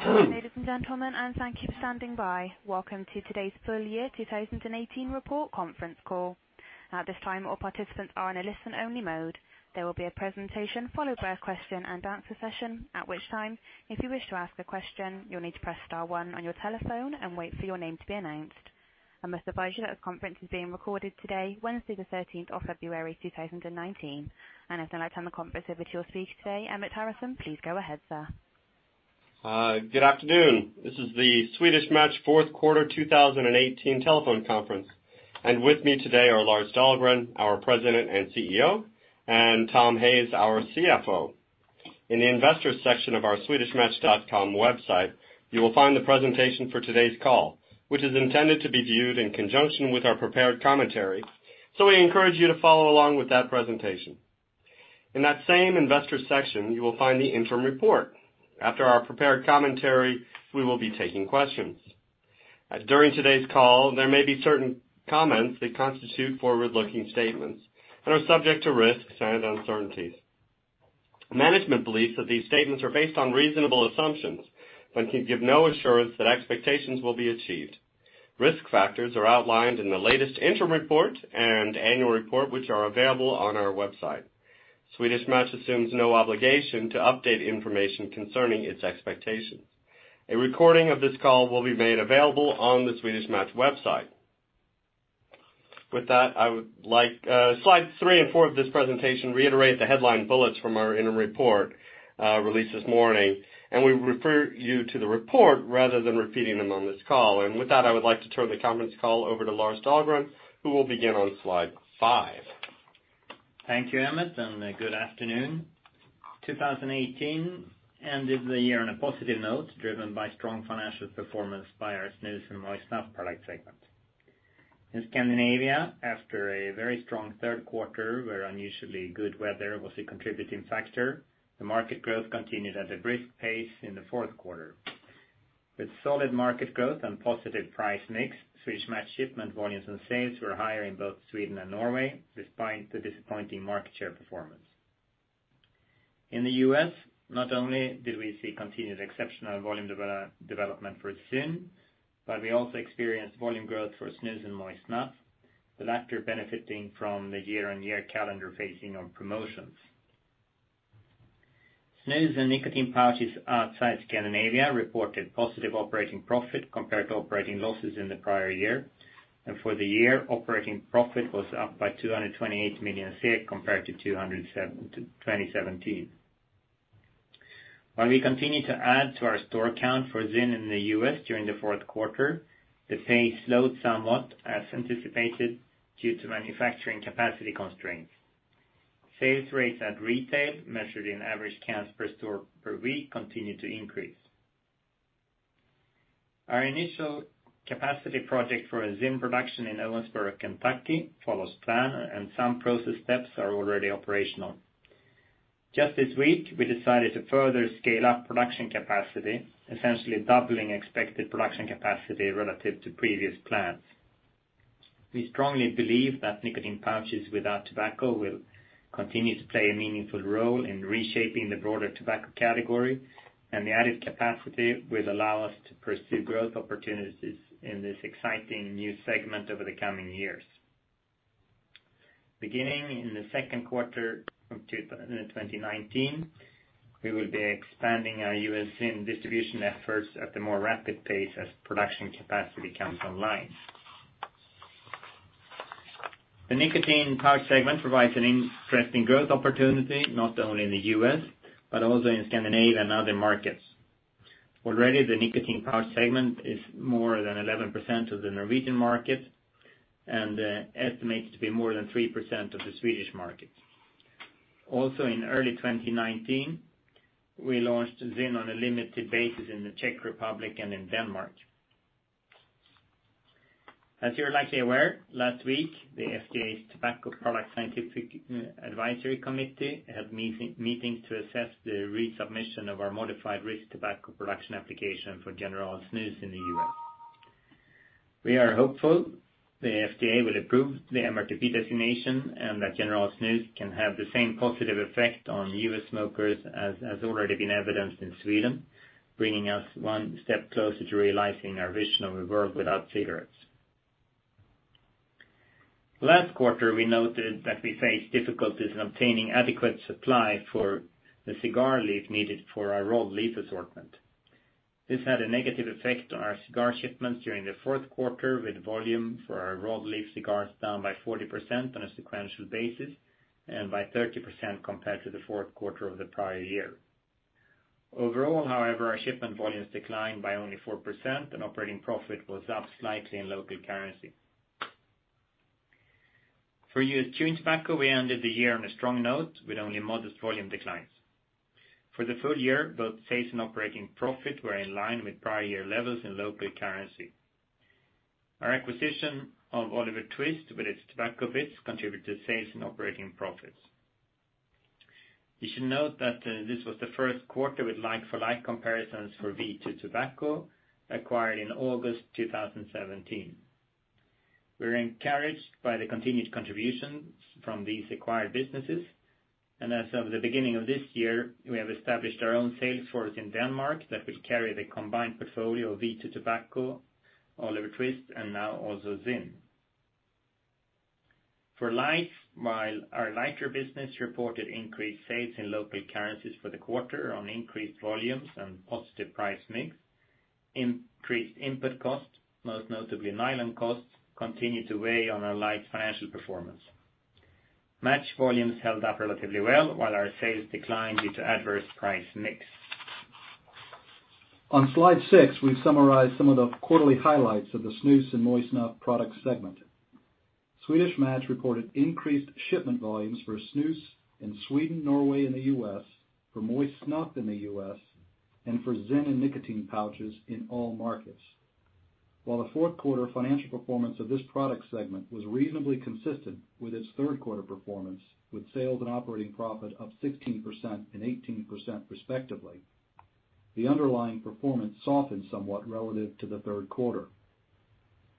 Good afternoon, ladies and gentlemen, thank you for standing by. Welcome to today's full year 2018 report conference call. At this time, all participants are in a listen-only mode. There will be a presentation followed by a question and answer session, at which time, if you wish to ask a question, you'll need to press star one on your telephone and wait for your name to be announced. I must advise you that the conference is being recorded today, Wednesday the 13th of February, 2019. I'd now like to turn the conference over to your speaker today, Emmett Harrison. Please go ahead, sir. Good afternoon. This is the Swedish Match Q4 2018 telephone conference. And with me today are Lars Dahlgren, our President and CEO, and Tom Hayes, our CFO. In the investor section of our swedishmatch.com website, you will find the presentation for today's call, which is intended to be viewed in conjunction with our prepared commentary. So we encourage you to follow along with that presentation. In that same investor section, you will find the interim report. After our prepared commentary, we will be taking questions. During today's call, there may be certain comments that constitute forward-looking statements and are subject to risks and uncertainties. Management believes that these statements are based on reasonable assumptions but can give no assurance that expectations will be achieved. Risk factors are outlined in the latest interim report and annual report, which are available on our website. Swedish Match assumes no obligation to update information concerning its expectations. A recording of this call will be made available on the Swedish Match website. Slide three and four of this presentation reiterate the headline bullets from our interim report, released this morning. We refer you to the report rather than repeating them on this call. With that, I would like to turn the conference call over to Lars Dahlgren, who will begin on slide five. Thank you, Emmett, good afternoon. 2018 ended the year on a positive note, driven by strong financial performance by our snus and moist snuff product segment. In Scandinavia, after a very strong Q3 where unusually good weather was a contributing factor, the market growth continued at a brisk pace in the Q4. With solid market growth and positive price mix, Swedish Match shipment volumes and sales were higher in both Sweden and Norway, despite the disappointing market share performance. In the U.S., not only did we see continued exceptional volume development for Zyn, but we also experienced volume growth for snus and moist snuff, with latter benefiting from the year-on-year calendar phasing on promotions. Snus and nicotine pouches outside Scandinavia reported positive operating profit compared to operating losses in the prior year. And for the year, operating profit was up by 228 million compared to 2017. While we continued to add to our store count for Zyn in the U.S. during the Q4, the pace slowed somewhat as anticipated due to manufacturing capacity constraints. Sales rates at retail, measured in average cans per store per week, continued to increase. Our initial capacity project for Zyn production in Owensboro, Kentucky, follows plan, and some process steps are already operational. Just this week, we decided to further scale up production capacity, essentially doubling expected production capacity relative to previous plans. We strongly believe that nicotine pouches without tobacco will continue to play a meaningful role in reshaping the broader tobacco category, and the added capacity will allow us to pursue growth opportunities in this exciting new segment over the coming years. Beginning in the Q2 of 2019, we will be expanding our U.S. Zyn distribution efforts at a more rapid pace as production capacity comes online. The nicotine pouch segment provides an interesting growth opportunity, not only in the U.S., but also in Scandinavia and other markets. Already, the nicotine pouch segment is more than 11% of the Norwegian market and estimated to be more than 3% of the Swedish market. Also in early 2019, we launched Zyn on a limited basis in the Czech Republic and in Denmark. As you're likely aware, last week, the FDA's Tobacco Products Scientific Advisory Committee held meetings to assess the resubmission of our modified risk tobacco product application for General Snus in the U.S. We are hopeful the FDA will approve the MRTP designation and that General Snus can have the same positive effect on U.S. smokers as has already been evidenced in Sweden, bringing us one step closer to realizing our vision of a world without cigarettes. Last quarter, we noted that we faced difficulties in obtaining adequate supply for the cigar leaf needed for our rolled leaf assortment. This had a negative effect on our cigar shipments during the Q4, with volume for our rolled leaf cigars down by 40% on a sequential basis and by 30% compared to the Q4 of the prior year. Overall, however, our shipment volumes declined by only 4%, and operating profit was up slightly in local currency. For U.S. chewing tobacco, we ended the year on a strong note with only modest volume declines. For the full year, both sales and operating profit were in line with prior year levels in local currency. Our acquisition of Oliver Twist with its tobacco bits contributed to sales and operating profits. You should note that this was the Q1 with like-for-like comparisons for V2 Tobacco acquired in August 2017. We're encouraged by the continued contributions from these acquired businesses. As of the beginning of this year, we have established our own sales force in Denmark that will carry the combined portfolio of V2 Tobacco, Oliver Twist, and now also Zyn. For lights, while our lighter business reported increased sales in local currencies for the quarter on increased volumes and positive price mix, increased input costs, most notably nylon costs, continue to weigh on our lights financial performance. Match volumes held up relatively well while our sales declined due to adverse price mix. On slide six, we've summarized some of the quarterly highlights of the snus and moist snuff products segment. Swedish Match reported increased shipment volumes for snus in Sweden, Norway, and the U.S., for moist snuff in the U.S., and for Zyn and nicotine pouches in all markets. While the Q4 financial performance of this product segment was reasonably consistent with its Q3 performance, with sales and operating profit up 16% and 18% respectively, the underlying performance softened somewhat relative to the Q3.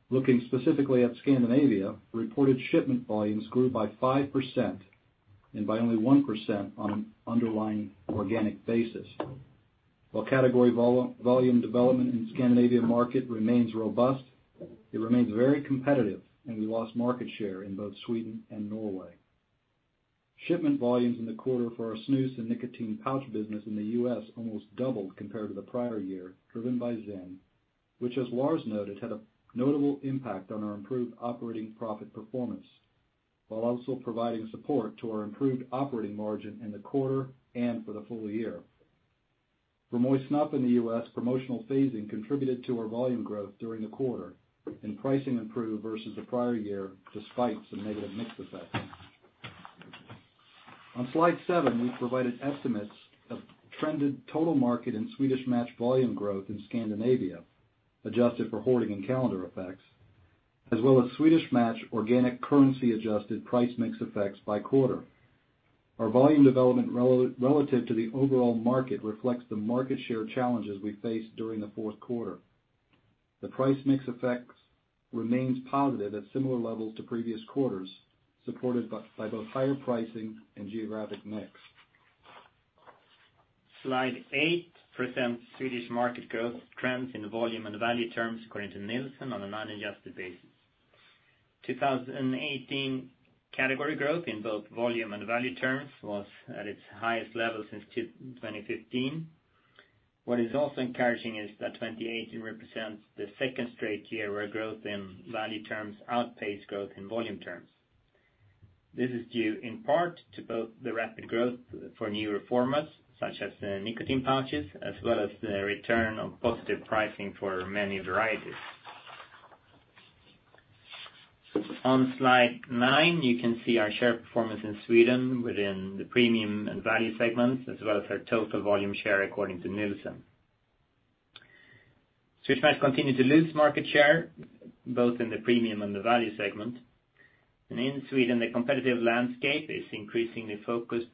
Looking specifically at Scandinavia, reported shipment volumes grew by 5% and by only 1% on an underlying organic basis. While category volume development in the Scandinavian market remains robust, it remains very competitive, and we lost market share in both Sweden and Norway. Shipment volumes in the quarter for our snus and nicotine pouch business in the U.S. almost doubled compared to the prior year, driven by Zyn, which, as Lars noted, had a notable impact on our improved operating profit performance, while also providing support to our improved operating margin in the quarter and for the full year. For moist snuff in the U.S., promotional phasing contributed to our volume growth during the quarter, and pricing improved versus the prior year despite some negative mix effects. On slide seven, we've provided estimates of trended total market and Swedish Match volume growth in Scandinavia, adjusted for hoarding and calendar effects, as well as Swedish Match organic currency adjusted price mix effects by quarter. Our volume development relative to the overall market reflects the market share challenges we faced during the Q4. The price mix effects remains positive at similar levels to previous quarters, supported by both higher pricing and geographic mix. Slide eight presents Swedish market growth trends in volume and value terms according to Nielsen on an unadjusted basis. 2018 category growth in both volume and value terms was at its highest level since 2015. What is also encouraging is that 2018 represents the second straight year where growth in value terms outpaced growth in volume terms. This is due in part to both the rapid growth for newer formats, such as nicotine pouches, as well as the return of positive pricing for many varieties. On slide nine, you can see our share performance in Sweden within the premium and value segments, as well as our total volume share according to Nielsen. Swedish Match continued to lose market share both in the premium and the value segment. In Sweden, the competitive landscape is increasingly focused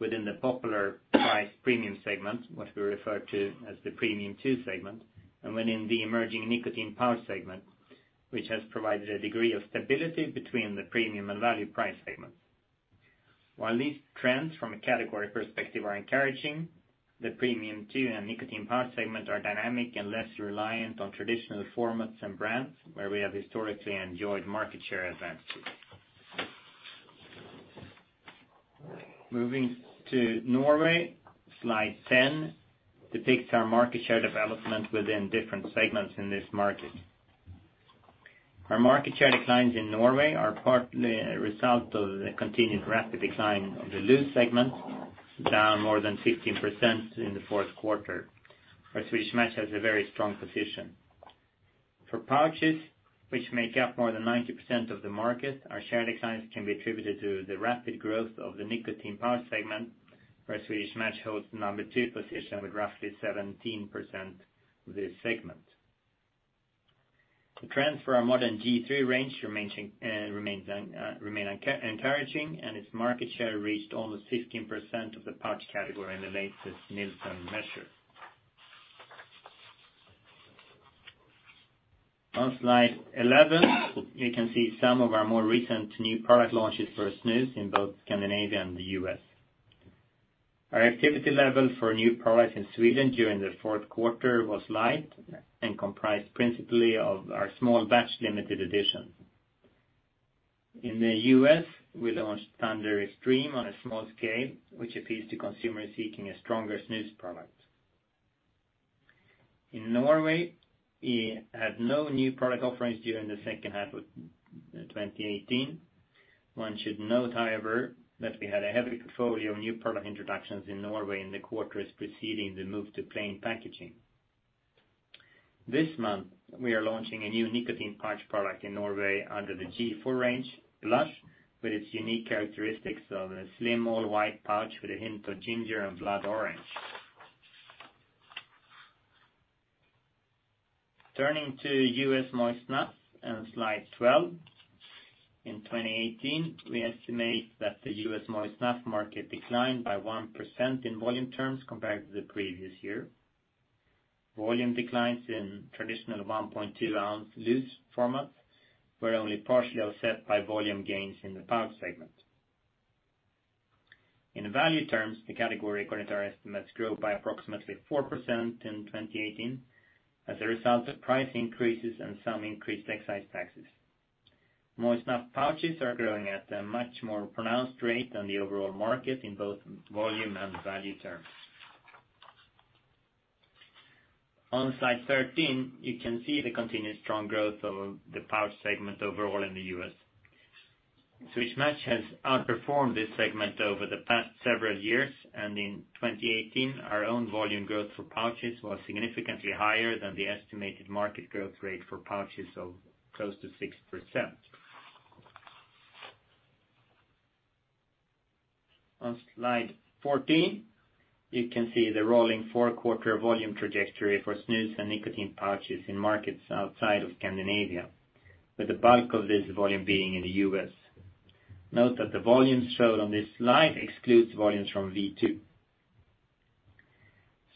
within the popular price premium segment, what we refer to as the Premium two segment, and within the emerging nicotine pouch segment, which has provided a degree of stability between the premium and value price segments. While these trends from a category perspective are encouraging, the Premium two and nicotine pouch segments are dynamic and less reliant on traditional formats and brands, where we have historically enjoyed market share advantages. Moving to Norway, slide 10 depicts our market share development within different segments in this market. Our market share declines in Norway are partly a result of the continued rapid decline of the loose segment, down more than 15% in the Q4, where Swedish Match has a very strong position. For pouches, which make up more than 90% of the market, our share declines can be attributed to the rapid growth of the nicotine pouch segment, where Swedish Match holds the number two position with roughly 17% of the segment. The trends for our modern G.3 range remain encouraging, and its market share reached almost 15% of the pouch category in the latest Nielsen measure. On slide 11, you can see some of our more recent new product launches for snus in both Scandinavia and the U.S. Our activity level for new products in Sweden during the Q4 was light and comprised principally of our Small Batch limited edition. In the U.S., we launched Thunder Xtreme on a small scale, which appeals to consumers seeking a stronger snus product. In Norway, we had no new product offerings during the H2 of 2018. One should note, however, that we had a heavy portfolio of new product introductions in Norway in the quarters preceding the move to plain packaging. This month, we are launching a new nicotine pouch product in Norway under the G.4 range, Lush, with its unique characteristics of a slim, all-white pouch with a hint of ginger and blood orange. Turning to U.S. moist snuff in slide 12. In 2018, we estimate that the U.S. moist snuff market declined by 1% in volume terms compared to the previous year. Volume declines in traditional 1.2 ounce loose formats were only partially offset by volume gains in the pouch segment. In value terms, the category according to our estimates grew by approximately 4% in 2018 as a result of price increases and some increased excise taxes. Moist snuff pouches are growing at a much more pronounced rate than the overall market in both volume and value terms. On slide 13, you can see the continued strong growth of the pouch segment overall in the U.S. Swedish Match has outperformed this segment over the past several years, and in 2018, our own volume growth for pouches was significantly higher than the estimated market growth rate for pouches of close to 6%. On slide 14, you can see the rolling four-quarter volume trajectory for snus and nicotine pouches in markets outside of Scandinavia, with the bulk of this volume being in the U.S. Note that the volumes shown on this slide excludes volumes from V2.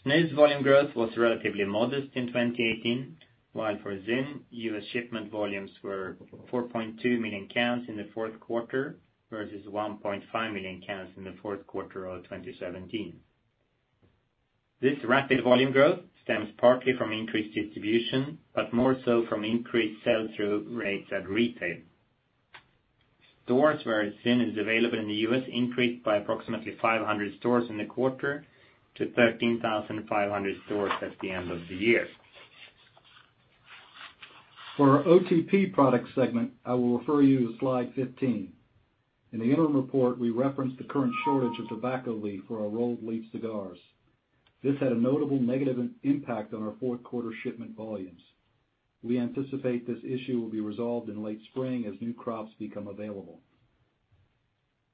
Snus volume growth was relatively modest in 2018, while for Zyn, U.S. shipment volumes were 4.2 million cans in the Q4 versus 1.5 million cans in the Q4 of 2017. This rapid volume growth stems partly from increased distribution, but more so from increased sell-through rates at retail. Stores where ZYN is available in the U.S. increased by approximately 500 stores in the quarter to 13,500 stores at the end of the year. For our OTP product segment, I will refer you to slide 15. In the interim report, we referenced the current shortage of tobacco leaf for our rolled leaf cigars. This had a notable negative impact on our Q4 shipment volumes. We anticipate this issue will be resolved in late spring as new crops become available.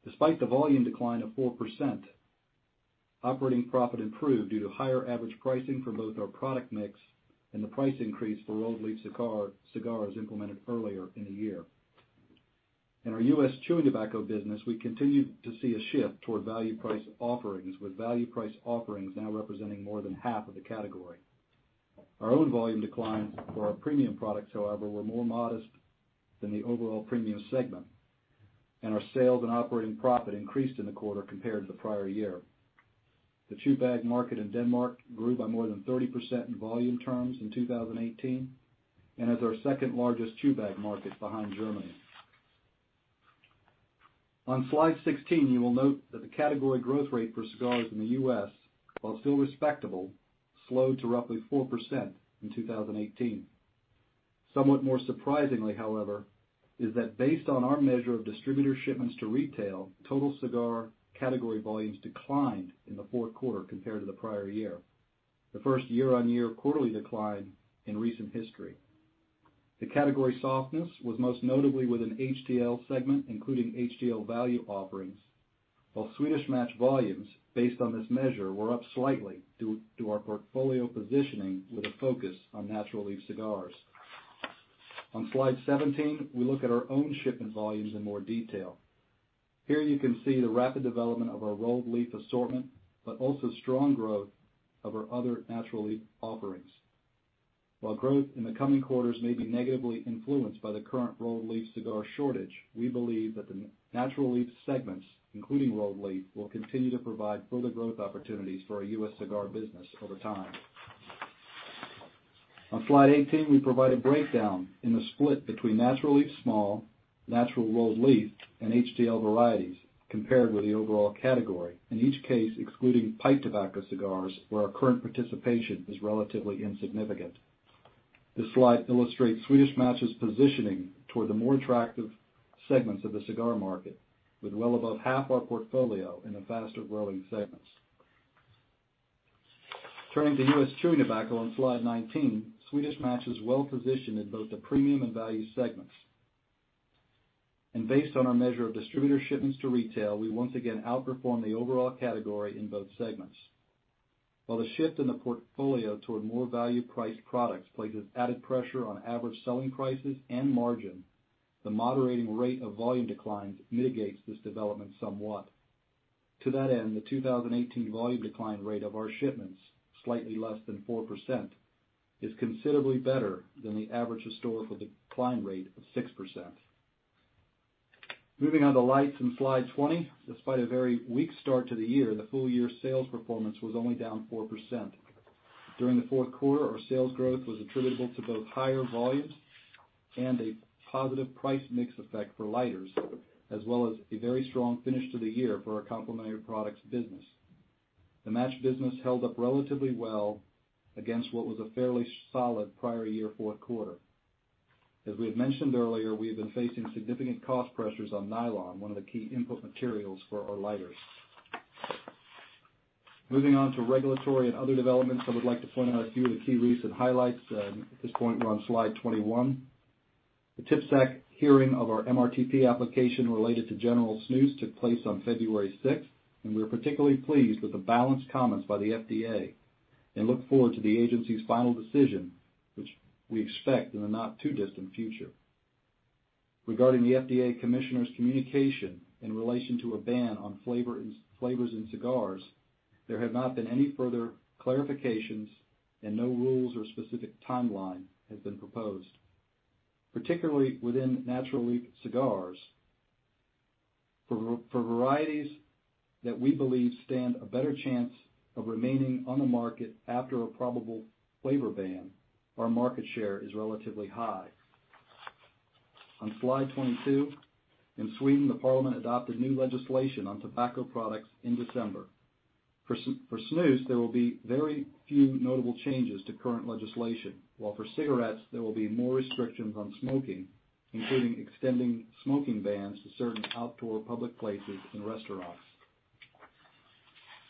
Despite the volume decline of 4%, operating profit improved due to higher average pricing for both our product mix and the price increase for rolled leaf cigars implemented earlier in the year. In our U.S. chewing tobacco business, we continue to see a shift toward value price offerings, with value price offerings now representing more than half of the category. Our own volume declines for our premium products, however, were more modest than the overall premium segment, and our sales and operating profit increased in the quarter compared to the prior year. The chew bag market in Denmark grew by more than 30% in volume terms in 2018 and is our second-largest chew bag market behind Germany. On slide 16, you will note that the category growth rate for cigars in the U.S., while still respectable, slowed to roughly 4% in 2018. Somewhat more surprisingly, however, is that based on our measure of distributor shipments to retail, total cigar category volumes declined in the Q4 compared to the prior year, the first year-on-year quarterly decline in recent history. The category softness was most notably with an HTL segment, including HTL value offerings, while Swedish Match volumes, based on this measure, were up slightly due to our portfolio positioning with a focus on natural leaf cigars. On slide 17, we look at our own shipment volumes in more detail. Here you can see the rapid development of our rolled leaf assortment, but also strong growth of our other natural leaf offerings. While growth in the coming quarters may be negatively influenced by the current rolled leaf cigar shortage, we believe that the natural leaf segments, including rolled leaf, will continue to provide further growth opportunities for our U.S. cigar business over time. On slide 18, we provide a breakdown in the split between natural leaf small, natural rolled leaf, and HTL varieties compared with the overall category, in each case excluding pipe tobacco cigars, where our current participation is relatively insignificant. This slide illustrates Swedish Match's positioning toward the more attractive segments of the cigar market with well above half our portfolio in the faster-growing segments. Turning to U.S. chewing tobacco on slide 19, Swedish Match is well positioned in both the premium and value segments. Based on our measure of distributor shipments to retail, we once again outperformed the overall category in both segments. While the shift in the portfolio toward more value-priced products places added pressure on average selling prices and margin, the moderating rate of volume declines mitigates this development somewhat. To that end, the 2018 volume decline rate of our shipments, slightly less than 4%, is considerably better than the average historical decline rate of 6%. Moving on to lights in slide 20. Despite a very weak start to the year, the full-year sales performance was only down 4%. During the Q4, our sales growth was attributable to both higher volumes and a positive price mix effect for lighters, as well as a very strong finish to the year for our complementary products business. The Match business held up relatively well against what was a fairly solid prior year Q4. As we mentioned earlier, we have been facing significant cost pressures on nylon, one of the key input materials for our lighters. Moving on to regulatory and other developments, I would like to point out a few of the key recent highlights. At this point, we are on slide 21. The TPSAC hearing of our MRTP application related to General Snus took place on February 6th, and we are particularly pleased with the balanced comments by the FDA and look forward to the agency's final decision, which we expect in the not-too-distant future. Regarding the FDA commissioner's communication in relation to a ban on flavors in cigars, there have not been any further clarifications and no rules or specific timeline has been proposed. Particularly within natural leaf cigars, for varieties that we believe stand a better chance of remaining on the market after a probable flavor ban, our market share is relatively high. On slide 22, in Sweden, the parliament adopted new legislation on tobacco products in December. For snus, there will be very few notable changes to current legislation, while for cigarettes, there will be more restrictions on smoking, including extending smoking bans to certain outdoor public places and restaurants.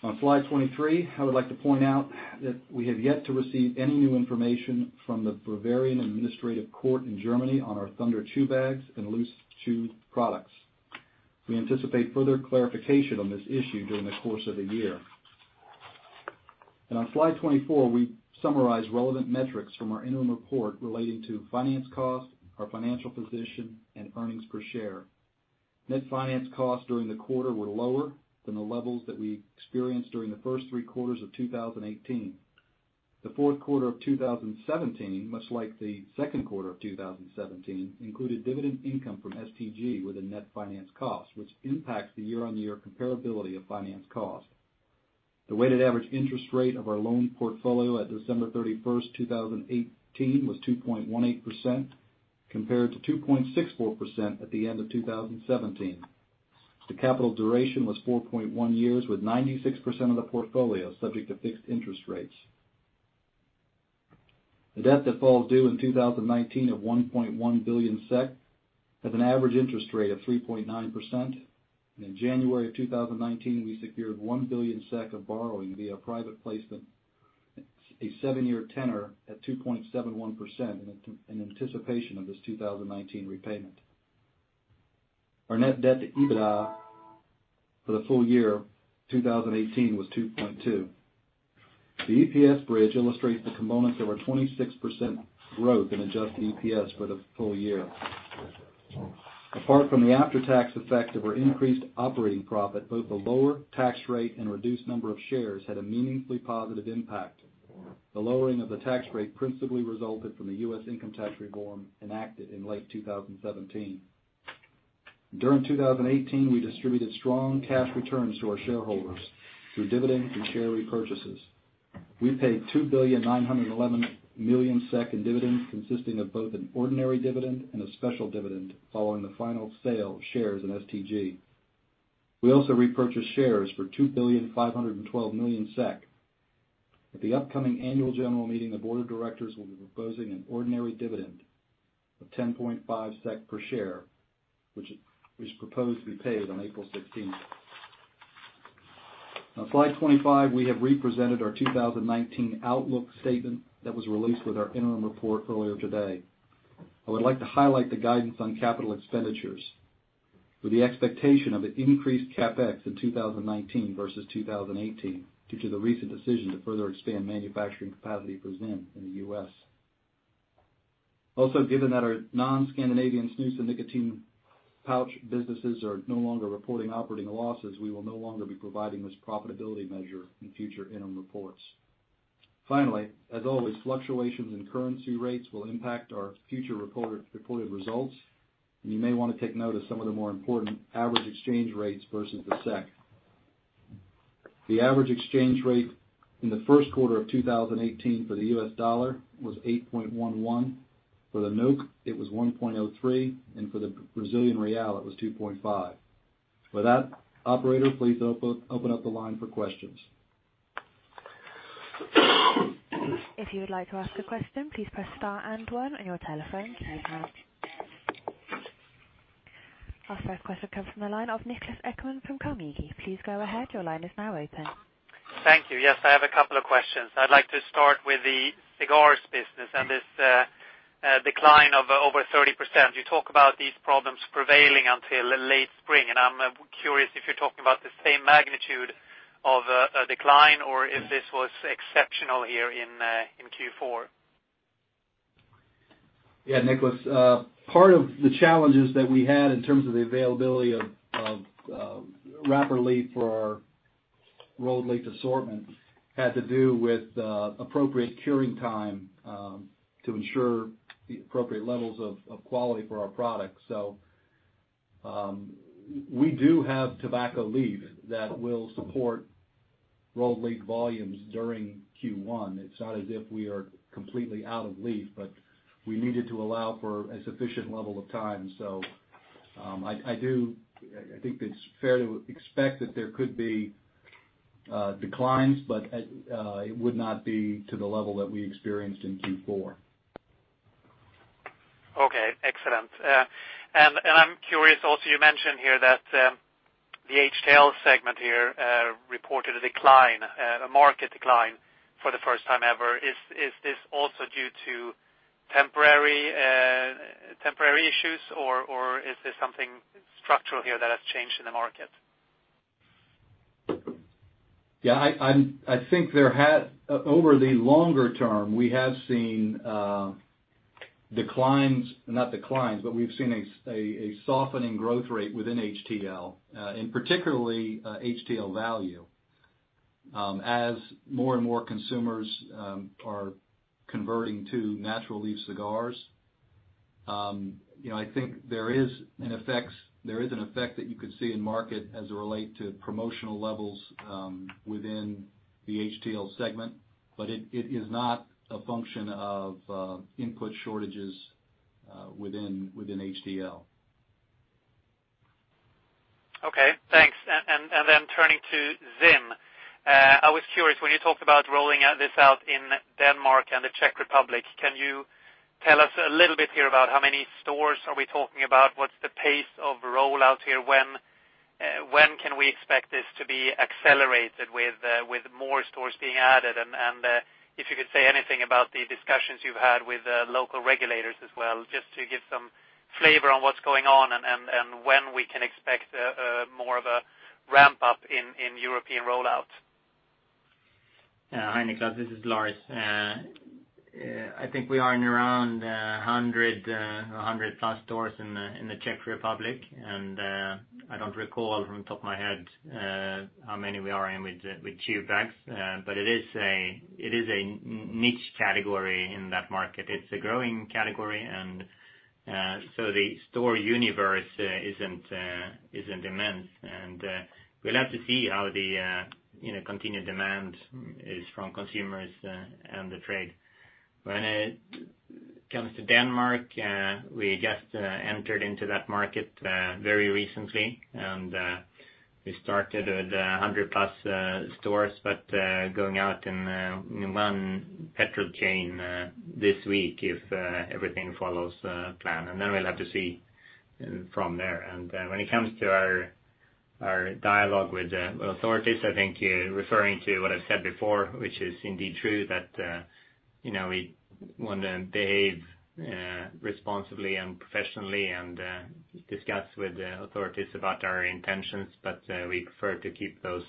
On slide 23, I would like to point out that we have yet to receive any new information from the Bavarian Administrative Court in Germany on our Thunder chew bags and loose chew products. We anticipate further clarification on this issue during the course of the year. On slide 24, we summarize relevant metrics from our interim report relating to finance cost, our financial position, and earnings per share. Net finance costs during the quarter were lower than the levels that we experienced during the first three quarters of 2018. The Q4 of 2017, much like the Q2 of 2017, included dividend income from STG with a net finance cost, which impacts the year-on-year comparability of finance cost. The weighted average interest rate of our loan portfolio at December 31st, 2018, was 2.18%, compared to 2.64% at the end of 2017. The capital duration was 4.1 years with 96% of the portfolio subject to fixed interest rates. The debt that falls due in 2019 at 1.1 billion SEK has an average interest rate of 3.9%. In January of 2019, we secured 1 billion SEK of borrowing via private placement, a seven-year tenor at 2.71% in anticipation of this 2019 repayment. Our net debt to EBITDA for the full year 2018 was two point two. The EPS bridge illustrates the components of our 26% growth in adjusted EPS for the full year. Apart from the after-tax effect of our increased operating profit, both the lower tax rate and reduced number of shares had a meaningfully positive impact. The lowering of the tax rate principally resulted from the U.S. income tax reform enacted in late 2017. During 2018, we distributed strong cash returns to our shareholders through dividends and share repurchases. We paid 2,911,000,000 SEK in dividends, consisting of both an ordinary dividend and a special dividend following the final sale of shares in STG. We also repurchased shares for 2,512,000,000 SEK. At the upcoming annual general meeting, the board of directors will be proposing an ordinary dividend of 10.5 SEK per share, which is proposed to be paid on April 16th. On slide 25, we have represented our 2019 outlook statement that was released with our interim report earlier today. I would like to highlight the guidance on capital expenditures with the expectation of an increased CapEx in 2019 versus 2018 due to the recent decision to further expand manufacturing capacity for ZYN in the U.S. Also, given that our non-Scandinavian snus and nicotine pouch businesses are no longer reporting operating losses, we will no longer be providing this profitability measure in future interim reports. Finally, as always, fluctuations in currency rates will impact our future reported results, and you may want to take note of some of the more important average exchange rates versus the SEK. The average exchange rate in the Q1 of 2018 for the U.S. dollar was eight point one one, for the NOK, it was one point zero three, and for the Brazilian real, it was two point five. With that, operator, please open up the line for questions. If you would like to ask a question, please press star and one on your telephone keypad. Our first question comes from the line of Niklas Ekman from Carnegie Investment Bank. Please go ahead. Your line is now open. Thank you. Yes, I have a couple of questions. I'd like to start with the cigars business and this decline of over 30%. You talk about these problems prevailing until late spring. I'm curious if you're talking about the same magnitude of a decline or if this was exceptional here in Q4. Yeah, Niklas. Part of the challenges that we had in terms of the availability of wrapper leaf for our rolled leaf assortment had to do with appropriate curing time to ensure the appropriate levels of quality for our products. We do have tobacco leaf that will support rolled leaf volumes during Q1. It's not as if we are completely out of leaf, but we needed to allow for a sufficient level of time. I think it's fair to expect that there could be declines, but it would not be to the level that we experienced in Q4. Okay. Excellent. I'm curious also, you mentioned here that the HTL segment here reported a decline, a market decline for the first time ever. Is this also due to temporary issues, or is this something structural here that has changed in the market? Yeah, I think over the longer term, we have seen a decline, not a decline, but weve seen a softening growth rate within HTL, and particularly HTL value, as more and more consumers are converting to natural leaf cigars. I think there is an effect that you could see in market as it relate to promotional levels within the HTL segment, but it is not a function of input shortages within HTL. Okay, thanks. Turning to Zyn. I was curious, when you talked about rolling this out in Denmark and the Czech Republic, can you tell us a little bit here about how many stores are we talking about? What's the pace of rollout here? When can we expect this to be accelerated with more stores being added? If you could say anything about the discussions you've had with local regulators as well, just to give some flavor on what's going on and when we can expect more of a ramp-up in European rollout. Hi, Niklas, this is Lars. I think we are in around 100+ stores in the Czech Republic. And I don't recall from the top of my head how many we are in with chew bags. It is a niche category in that market. It's a growing category. The store universe isn't immense. We'll have to see how the continued demand is from consumers and the trade. When it comes to Denmark, we just entered into that market very recently. We started with 100+ stores, going out in one petrol chain this week if everything follows plan. We'll have to see from there. When it comes to our dialogue with the authorities, I think referring to what I've said before, which is indeed true, that we want to behave responsibly and professionally and discuss with the authorities about our intentions. We prefer to keep those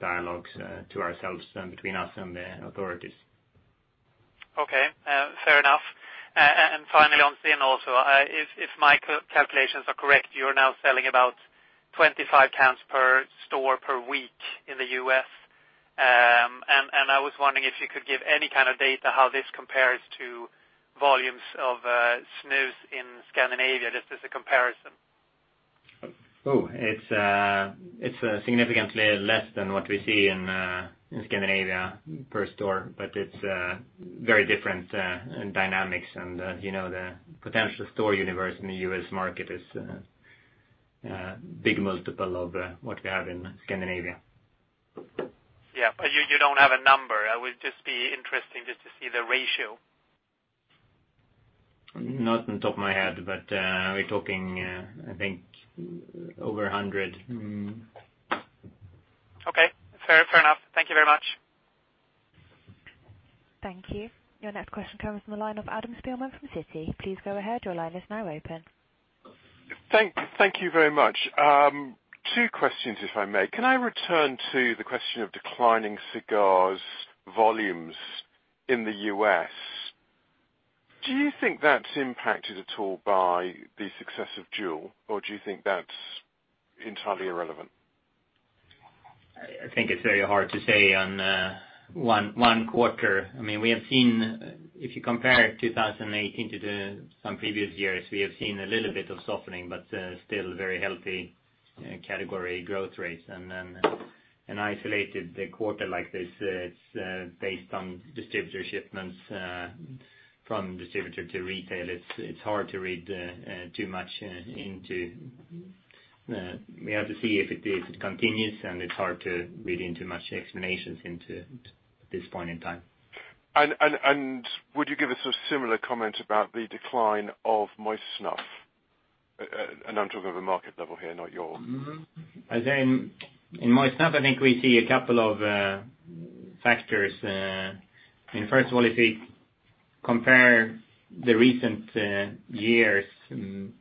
dialogues to ourselves and between us and the authorities. Okay. Fair enough. Finally, on Zyn also, if my calculations are correct, you're now selling about 25 counts per store per week in the U.S. and I was wondering if you could give any kind of data how this compares to volumes of snus in Scandinavia, just as a comparison. It's significantly less than what we see in Scandinavia per store. It's very different dynamics, as you know, the potential store universe in the U.S. market is a big multiple of what we have in Scandinavia. You don't have a number. It would just be interesting just to see the ratio. Not on top of my head, we're talking, I think, over 100. Okay, fair enough. Thank you very much. Thank you. Your next question comes from the line of Adam Spielman from Citi Research. Please go ahead. Your line is now open. Thank you very much. Two questions, if I may. Can I return to the question of declining cigars volumes in the U.S.? Do you think that's impacted at all by the success of Juul, or do you think that's entirely irrelevant? I think it's very hard to say on one quarter. If you compare 2018 to some previous years, we have seen a little bit of softening but still very healthy category growth rates. An isolated quarter like this, it's based on distributor shipments from distributor to retail. It's hard to read too much into. We have to see if it continues, it's hard to read into much explanations into this point in time. Would you give us a similar comment about the decline of moist snuff? I'm talking of a market level here, not yours. Mm-hmm. In moist snuff, I think we see a couple of factors. First of all, if we compare the recent years to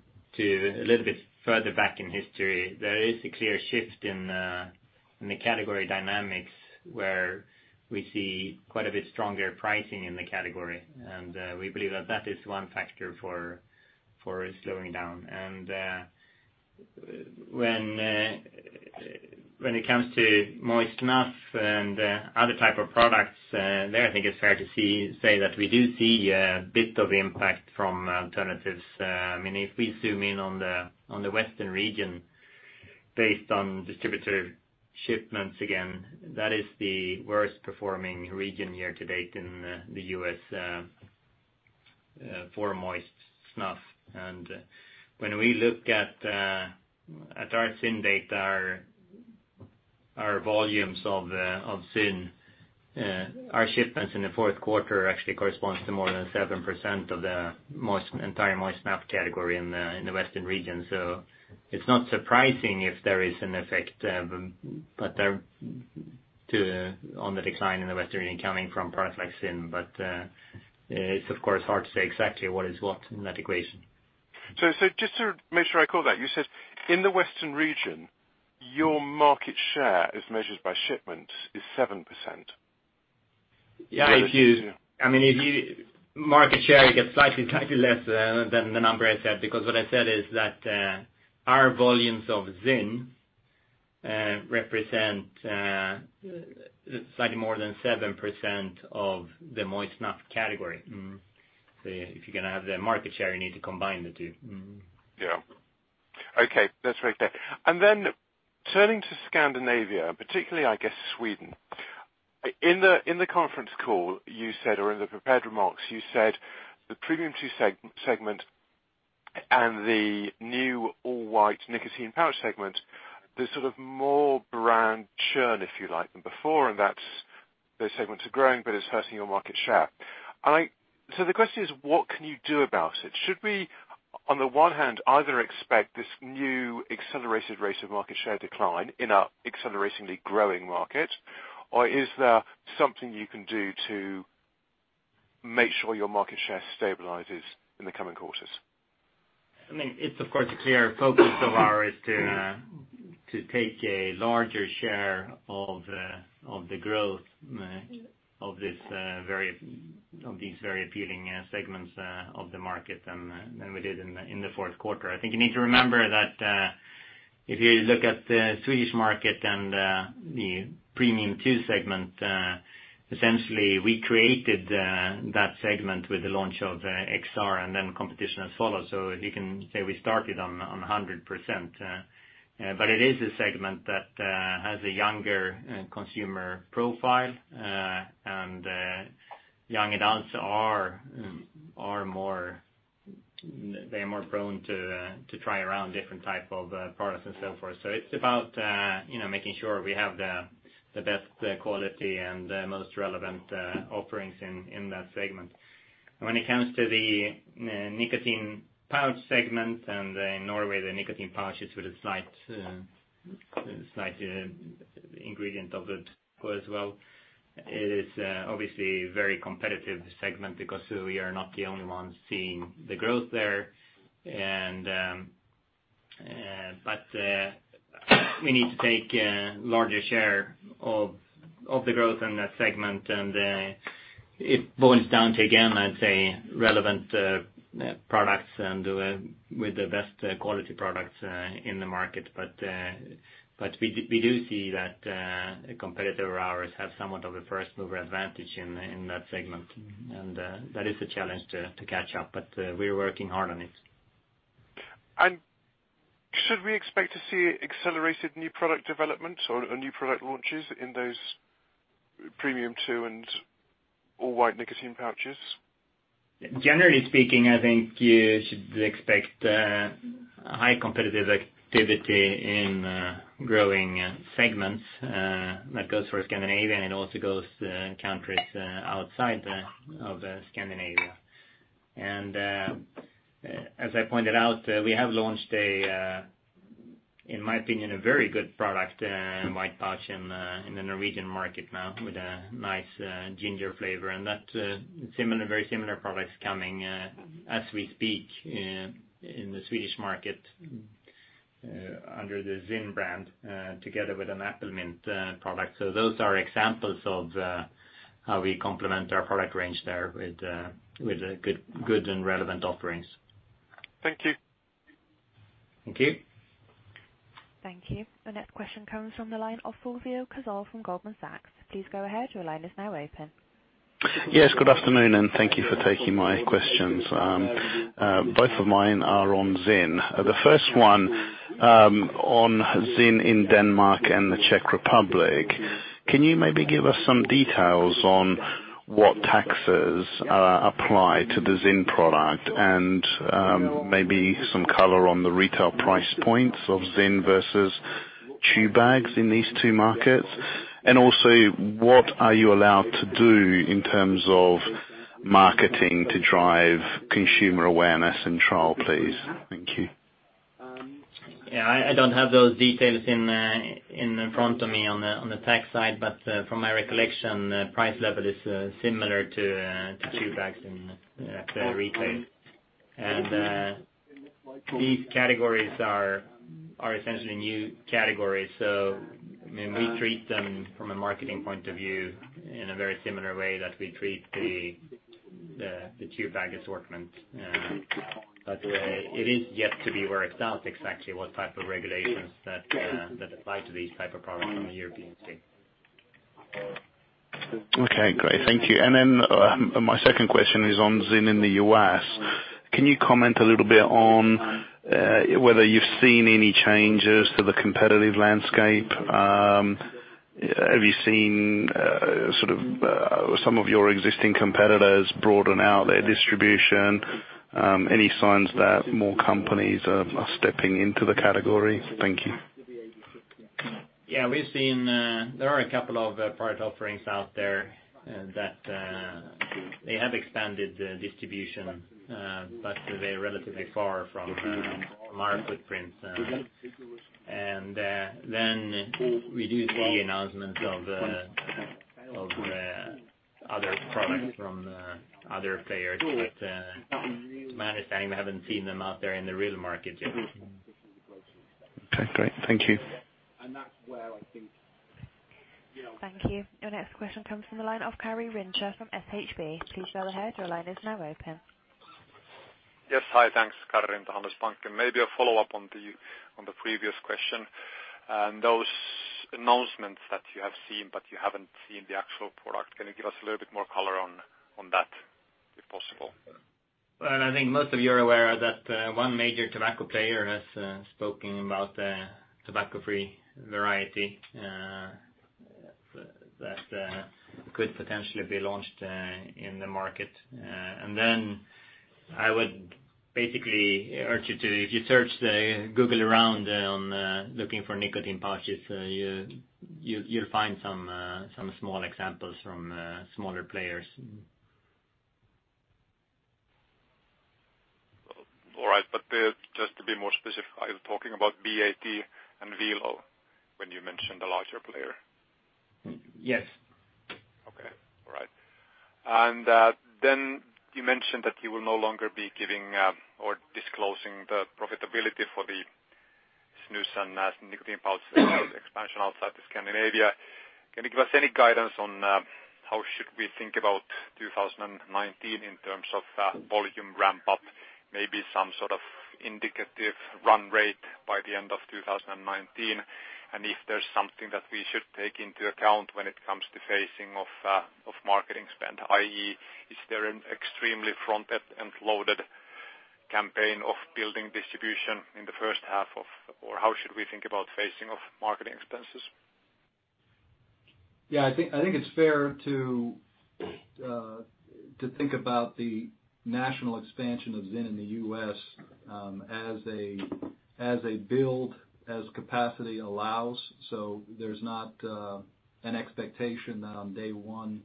a little bit further back in history, there is a clear shift in the category dynamics, where we see quite a bit stronger pricing in the category. We believe that that is one factor for slowing down. And when it comes to moist snuff and other type of products, there, I think it's fair to say that we do see a bit of impact from alternatives. If we zoom in on the Western region based on distributor shipments, again, that is the worst-performing region year to date in the U.S. for moist snuff. And when we look at our Zyn data, our volumes of Zyn, our shipments in the Q4 actually corresponds to more than 7% of the entire moist snuff category in the Western region. So, it's not surprising if there is an effect on the decline in the Western coming from products like Zyn. It's of course hard to say exactly what is what in that equation. Just to make sure I caught that, you said in the Western region, your market share as measured by shipment is 7%? Yeah. Market share, you get slightly less than the number I said, because what I said is that our volumes of Zyn represent slightly more than 7% of the moist snuff category. If you're going to have the market share, you need to combine the two. Mm-hmm. Yeah. Okay, that's right there. And then turning to Scandinavia, particularly, I guess Sweden. In the conference call, you said, or in the prepared remarks, you said the Premium two segment and the new all-white nicotine pouch segment, there's sort of more brand churn, if you like, than before, and those segments are growing, but it's hurting your market share. The question is, what can you do about it? Should we, on the one hand, either expect this new accelerated rate of market share decline in an acceleratingly growing market, or is there something you can do to make sure your market share stabilizes in the coming quarters? It's, of course, a clear focus of ours to take a larger share of the growth of these very appealing segments of the market than we did in the Q4. I think you need to remember that if you look at the Swedish market and the Premium two segment, essentially we created that segment with the launch of XR and then competition as follows. You can say we started on 100%. It is a segment that has a younger consumer profile, and young adults are more prone to try around different type of products and so forth. It's about making sure we have the best quality and the most relevant offerings in that segment. When it comes to the nicotine pouch segment, and in Norway, the nicotine pouches with a slight ingredient of the tobacco as well, it is obviously a very competitive segment because we are not the only ones seeing the growth there. But we need to take a larger share of the growth in that segment, and it boils down to, again, I'd say relevant products and with the best quality products in the market. We do see that competitor of ours have somewhat of a first-mover advantage in that segment. That is the challenge to catch up, but we're working hard on it. Should we expect to see accelerated new product development or new product launches in those Premium two and all-white nicotine pouches? Generally speaking, I think you should expect high competitive activity in growing segments. That goes for Scandinavia, and it also goes to countries outside of Scandinavia. And as I pointed out, we have launched, in my opinion, a very good product, My Pouch, in the Norwegian market now with a nice ginger flavor. Very similar products coming as we speak in the Swedish market under the Zyn brand, together with an apple mint product. Those are examples of how we complement our product range there with good and relevant offerings. Thank you. Thank you. Thank you. The next question comes from the line of Fulvio Cazzol from Goldman Sachs. Please go ahead, your line is now open. Yes, good afternoon, thank you for taking my questions. Both of mine are on Zyn. The first one on Zyn in Denmark and the Czech Republic. Can you maybe give us some details on what taxes apply to the Zyn product and maybe some color on the retail price points of Zyn versus chew bags in these two markets? And also, what are you allowed to do in terms of marketing to drive consumer awareness and trial, please? Thank you. Yeah. I don't have those details in front of me on the tax side, but from my recollection, the price level is similar to chew bags at retail. And these categories are essentially new categories. We treat them from a marketing point of view in a very similar way that we treat the chew bag assortment. It is yet to be worked out exactly what type of regulations that apply to these type of products from a European state. Okay, great. Thank you. Then my second question is on Zyn in the U.S. Can you comment a little bit on whether you've seen any changes to the competitive landscape? Have you seen some of your existing competitors broaden out their distribution? Any signs that more companies are stepping into the category? Thank you. Yeah. There are a couple of product offerings out there that they have expanded distribution, but they're relatively far from our footprints. We do see announcements of other products from other players. To my understanding, we haven't seen them out there in the real market yet. Okay, great. Thank you. That's where I think. Thank you. Your next question comes from the line of Karri Rinta from SHB. Please go ahead. Your line is now open. Yes. Hi. Thanks, Karri Rinta, Handelsbanken. Maybe a follow-up on the previous question. Those announcements that you have seen, but you haven't seen the actual product, can you give us a little bit more color on that, if possible? Well, I think most of you are aware that one major tobacco player has spoken about a tobacco-free variety that could potentially be launched in the market. And then I would basically urge you to, if you Google around on looking for nicotine pouches, you'll find some small examples from smaller players. All right. Just to be more specific, are you talking about BAT and Velo when you mentioned the larger player? Yes. Okay. All right. And then you mentioned that you will no longer be giving or disclosing the profitability for the snus and nicotine pouch expansion outside of Scandinavia. Can you give us any guidance on how should we think about 2019 in terms of volume ramp-up, maybe some sort of indicative run rate by the end of 2019? If there's something that we should take into account when it comes to phasing of marketing spend, i.e., is there an extremely front-end loaded campaign of building distribution in the H1 of how should we think about phasing of marketing expenses? Yeah, I think it's fair to think about the national expansion of Zyn in the U.S. as a build, as capacity allows. So there's not an expectation that on day one,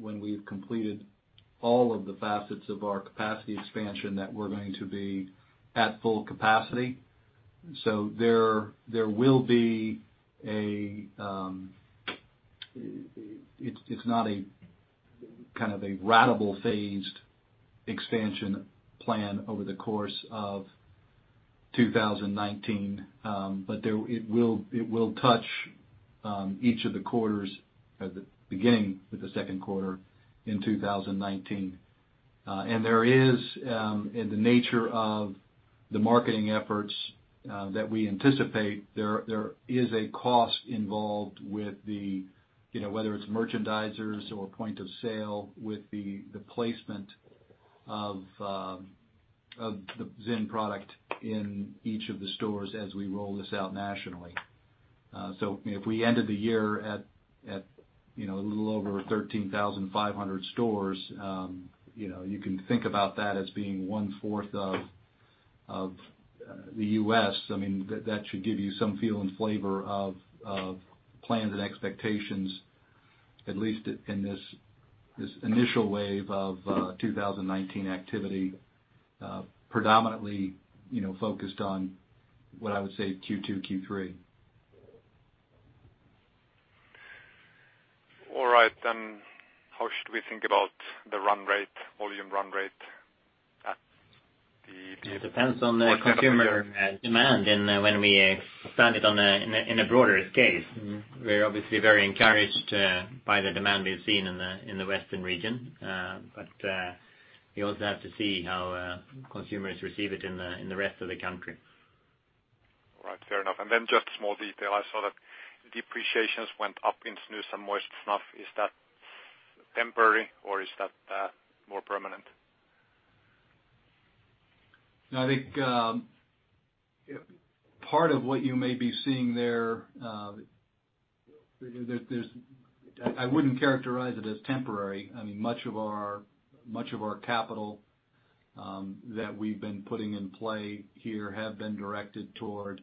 when we've completed all of the facets of our capacity expansion, that we're going to be at full capacity. So there will be, uh, it's not a ratable phased expansion plan over the course of 2019. But it will touch each of the quarters beginning with the Q2 in 2019. And there is, in the nature of the marketing efforts that we anticipate, there is a cost involved with the, whether it's merchandisers or point of sale, with the placement of the Zyn product in each of the stores as we roll this out nationally. If we ended the year at a little over 13,500 stores, you can think about that as being one fourth of the U.S. That should give you some feel and flavor of plans and expectations, at least in this initial wave of 2019 activity, predominantly focused on, what I would say, Q2, Q3. All right. How should we think about the volume run rate at the? It depends on the consumer demand and when we expand it in a broader scale. We're obviously very encouraged by the demand we've seen in the Western region. But we also have to see how consumers receive it in the rest of the country. All right. Fair enough. Just a small detail. I saw that depreciations went up in snus and moist snuff. Is that temporary or is that more permanent? I think part of what you may be seeing there, I wouldn't characterize it as temporary. Much of our capital that we've been putting in play here have been directed toward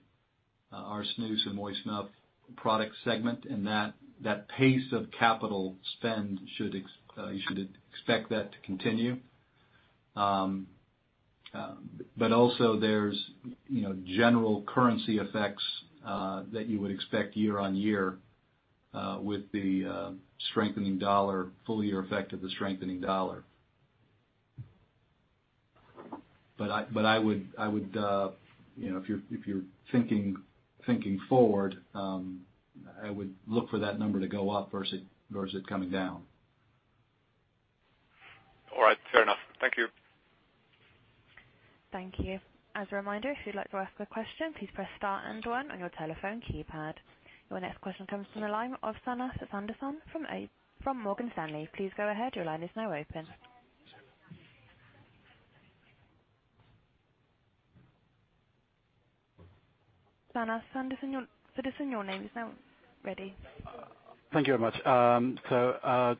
our snus and moist snuff product segment, and that pace of capital spend, you should expect that to continue. But also there's general currency effects that you would expect year-over-year with the strengthening dollar, full year effect of the strengthening dollar. But I would, uh, if you're thinking forward, I would look for that number to go up versus coming down. All right. Fair enough. Thank you. Thank you. As a reminder, if you'd like to ask a question, please press star and one on your telephone keypad. Your next question comes from the line of Sanath Sudarsan from Morgan Stanley Research. Please go ahead. Your line is now open. Sanath Sudarsan, your line is now ready. Thank you very much.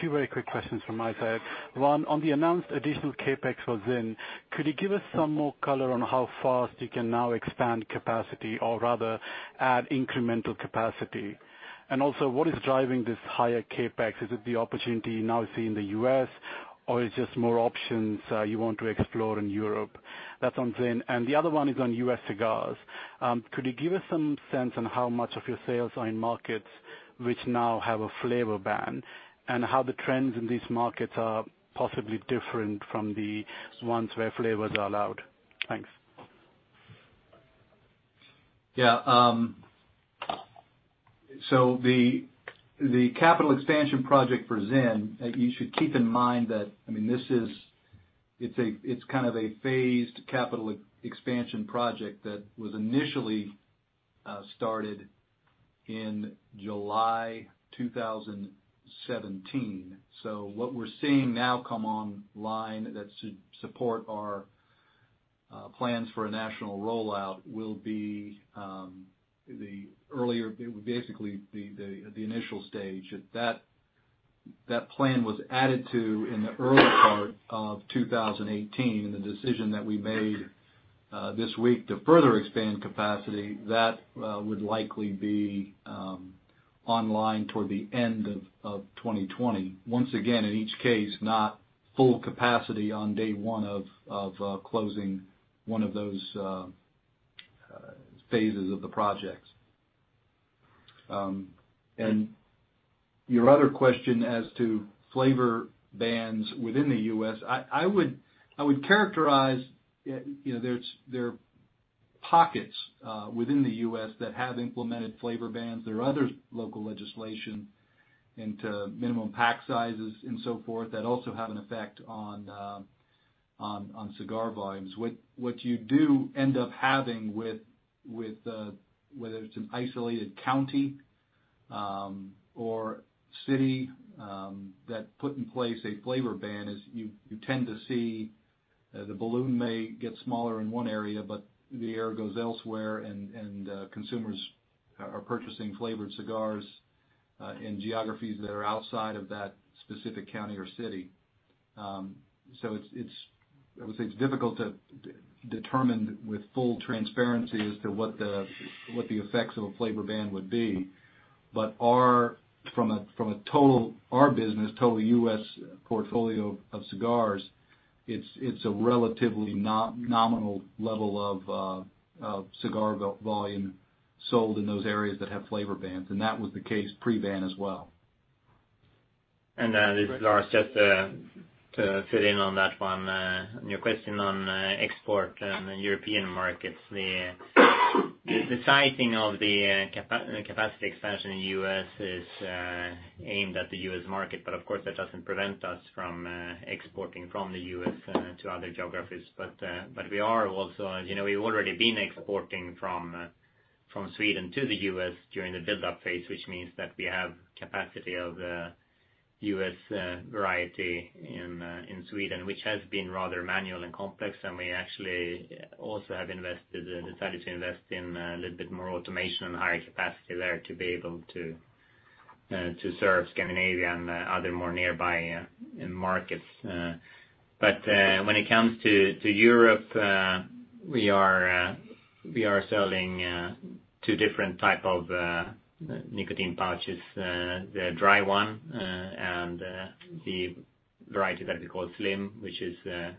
Two very quick questions from my side. One, on the announced additional CapEx for Zyn, could you give us some more color on how fast you can now expand capacity or rather add incremental capacity? Also, what is driving this higher CapEx? Is it the opportunity you now see in the U.S.? Or it is just more options you want to explore in Europe? That is on Zyn. The other one is on U.S. cigars. Could you give us some sense on how much of your sales are in markets which now have a flavor ban, and how the trends in these markets are possibly different from the ones where flavors are allowed? Thanks. Yeah, uh, so the capital expansion project for Zyn, you should keep in mind that it is a phased capital expansion project that was initially started in July 2017. So what we are seeing now come online that support our plans for a national rollout will be basically the initial stage. That plan was added to in the early part of 2018, and the decision that we made this week to further expand capacity, that would likely be online toward the end of 2020. Once again, in each case, not full capacity on day one of closing one of those phases of the projects. Your other question as to flavor bans within the U.S., I would characterize, there are pockets within the U.S. that have implemented flavor bans. There are other local legislation into minimum pack sizes and so forth that also have an effect on cigar volumes. What you do end up having, whether it is an isolated county or city that put in place a flavor ban, is you tend to see the balloon may get smaller in one area, but the air goes elsewhere and consumers are purchasing flavored cigars in geographies that are outside of that specific county or city. So it is difficult to determine with full transparency as to what the effects of a flavor ban would be. From our business, total U.S. portfolio of cigars, it is a relatively nominal level of cigar volume sold in those areas that have flavor bans, and that was the case pre-ban as well. This is Lars. Just to fill in on that one, on your question on export and the European markets. The sizing of the capacity expansion in the U.S. is aimed at the U.S. market, of course, that does not prevent us from exporting from the U.S. to other geographies. We have already been exporting from Sweden to the U.S. during the build-up phase, which means that we have capacity of U.S. variety in Sweden, which has been rather manual and complex. We actually also have decided to invest in a little bit more automation and higher capacity there to be able to serve Scandinavia and other more nearby markets. But when it comes to Europe, we are selling two different type of nicotine pouches, the dry one and the variety that we call slim, which is a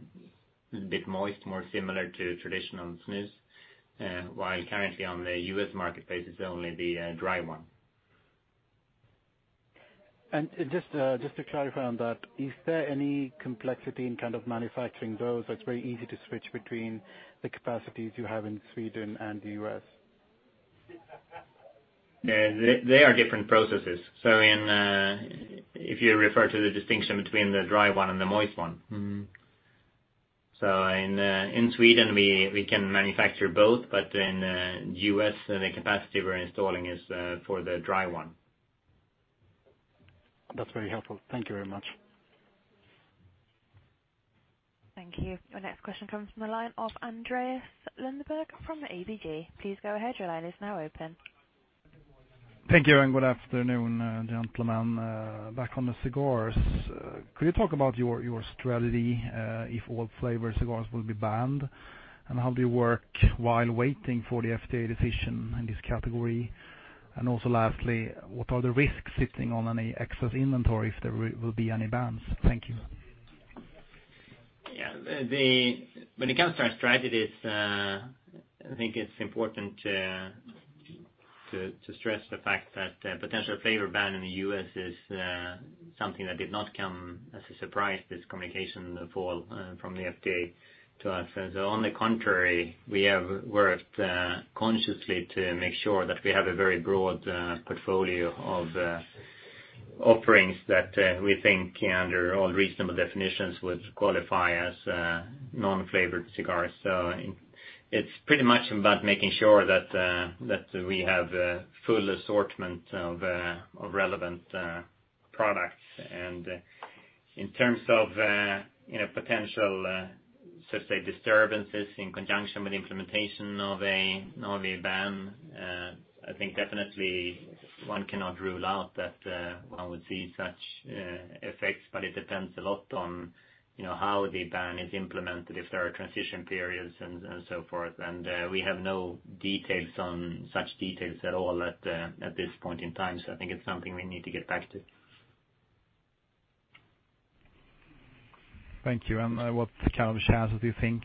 bit moist, more similar to traditional snus. While currently on the U.S. marketplace, it's only the dry one. Just to clarify on that, is there any complexity in manufacturing those, or it's very easy to switch between the capacities you have in Sweden and the U.S.? They are different processes. If you refer to the distinction between the dry one and the moist one. In Sweden we can manufacture both, but in the U.S. the capacity we're installing is for the dry one. That's very helpful. Thank you very much. Thank you. Our next question comes from the line of Andreas Lundberg from ABG. Please go ahead, your line is now open. Thank you and good afternoon, gentlemen. Back on the cigars, could you talk about your strategy if all flavored cigars will be banned, and how do you work while waiting for the FDA decision in this category? Also lastly, what are the risks sitting on any excess inventory if there will be any bans? Thank you. When it comes to our strategies, I think it's important to stress the fact that potential flavor ban in the U.S. is something that did not come as a surprise, this communication fall from the FDA to us. But on the contrary, we have worked consciously to make sure that we have a very broad portfolio of offerings that we think under all reasonable definitions would qualify as non-flavored cigars, so its pretty much about making sure that we have a full assortment of relevant products. And in terms of potential disturbances in conjunction with implementation of a ban, I think definitely one cannot rule out that one would see such effects, but it depends a lot on how the ban is implemented, if there are transition periods and so forth. We have no details on such details at all at this point in time. I think it's something we need to get back to. Thank you. What kind of shares do you think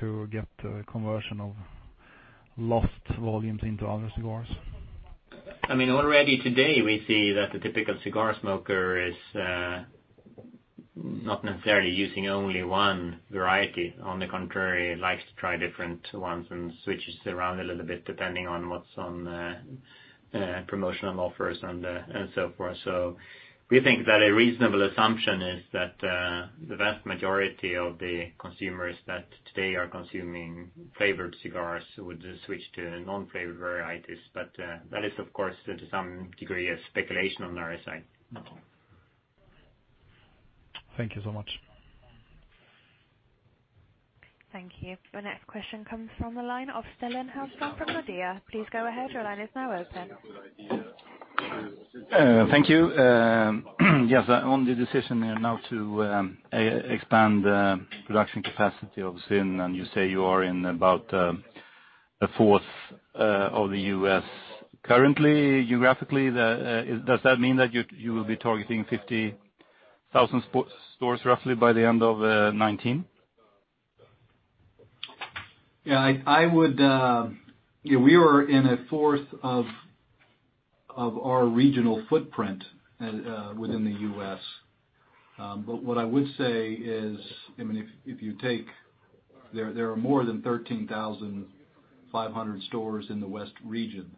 to get the conversion of lost volumes into other cigars? Already today, we see that the typical cigar smoker is not necessarily using only one variety. On the contrary, likes to try different ones and switches around a little bit, depending on what's on promotional offers and so forth. We think that a reasonable assumption is that the vast majority of the consumers that today are consuming flavored cigars would switch to non-flavored varieties. But that is, of course, to some degree, a speculation on our side. Thank you so much. Thank you. The next question comes from the line of Stellan Hellstrom from Nordea Markets. Please go ahead. Your line is now open. Thank you. Yes. On the decision now to expand production capacity of Zyn, and you say you are in about a fourth of the U.S. currently. Geographically, does that mean that you will be targeting 50,000 stores roughly by the end of 2019? Yeah. I would, uh, We were in a fourth of our regional footprint within the U.S. What I would say is, there are more than 13,500 stores in the West region.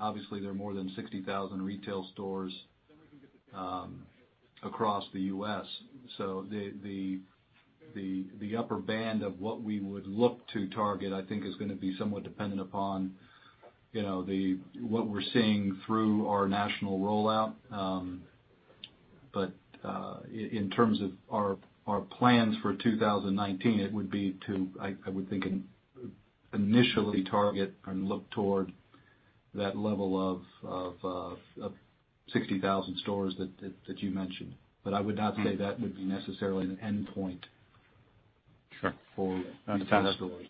Obviously, there are more than 60,000 retail stores across the U.S. So the upper band of what we would look to target, I think, is going to be somewhat dependent upon what we're seeing through our national rollout. But in terms of our plans for 2019, it would be to, I would think, initially target and look toward that level of 60,000 stores that you mentioned. I would not say that would be necessarily an endpoint- Sure for Zyn stores.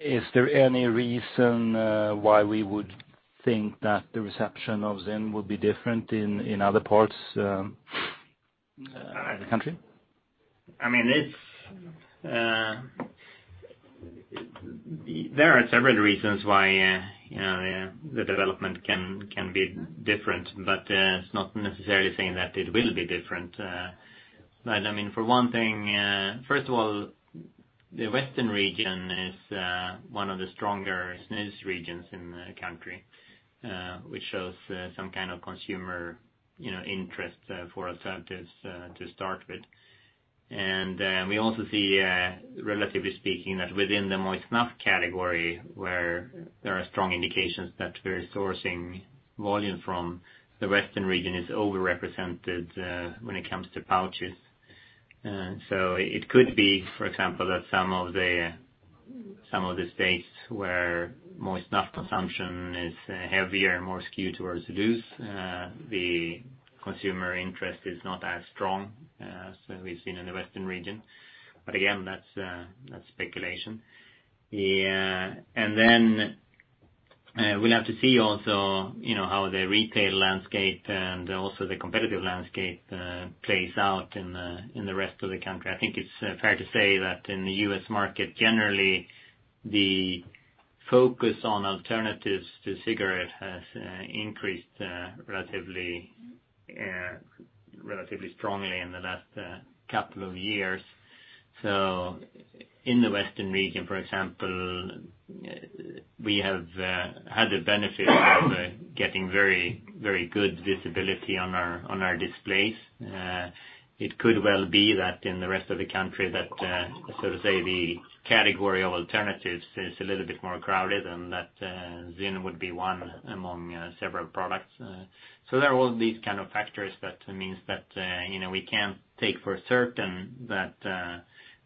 Is there any reason why we would think that the reception of ZYN would be different in other parts of the country? There are several reasons why the development can be different, but it's not necessarily saying that it will be different. For one thing, first of all, the Western region is one of the stronger snus regions in the country, which shows some kind of consumer interest for alternatives to start with. We also see, relatively speaking, that within the moist snuff category, where there are strong indications that we're sourcing volume from the Western region, is overrepresented when it comes to pouches. So it could be, for example, that some of the states where moist snuff consumption is heavier and more skewed towards loose, the consumer interest is not as strong as we've seen in the Western region. Again, that's speculation. And then we'll have to see also how the retail landscape and also the competitive landscape plays out in the rest of the country. I think it's fair to say that in the U.S. market generally, the focus on alternatives to cigarette has increased relatively strongly in the last couple of years. In the Western region, for example, we have had the benefit of getting very good visibility on our displays. It could well be that in the rest of the country that, so to say, the category of alternatives is a little bit more crowded and that ZYN would be one among several products. There are all these kind of factors that means that we can't take for certain that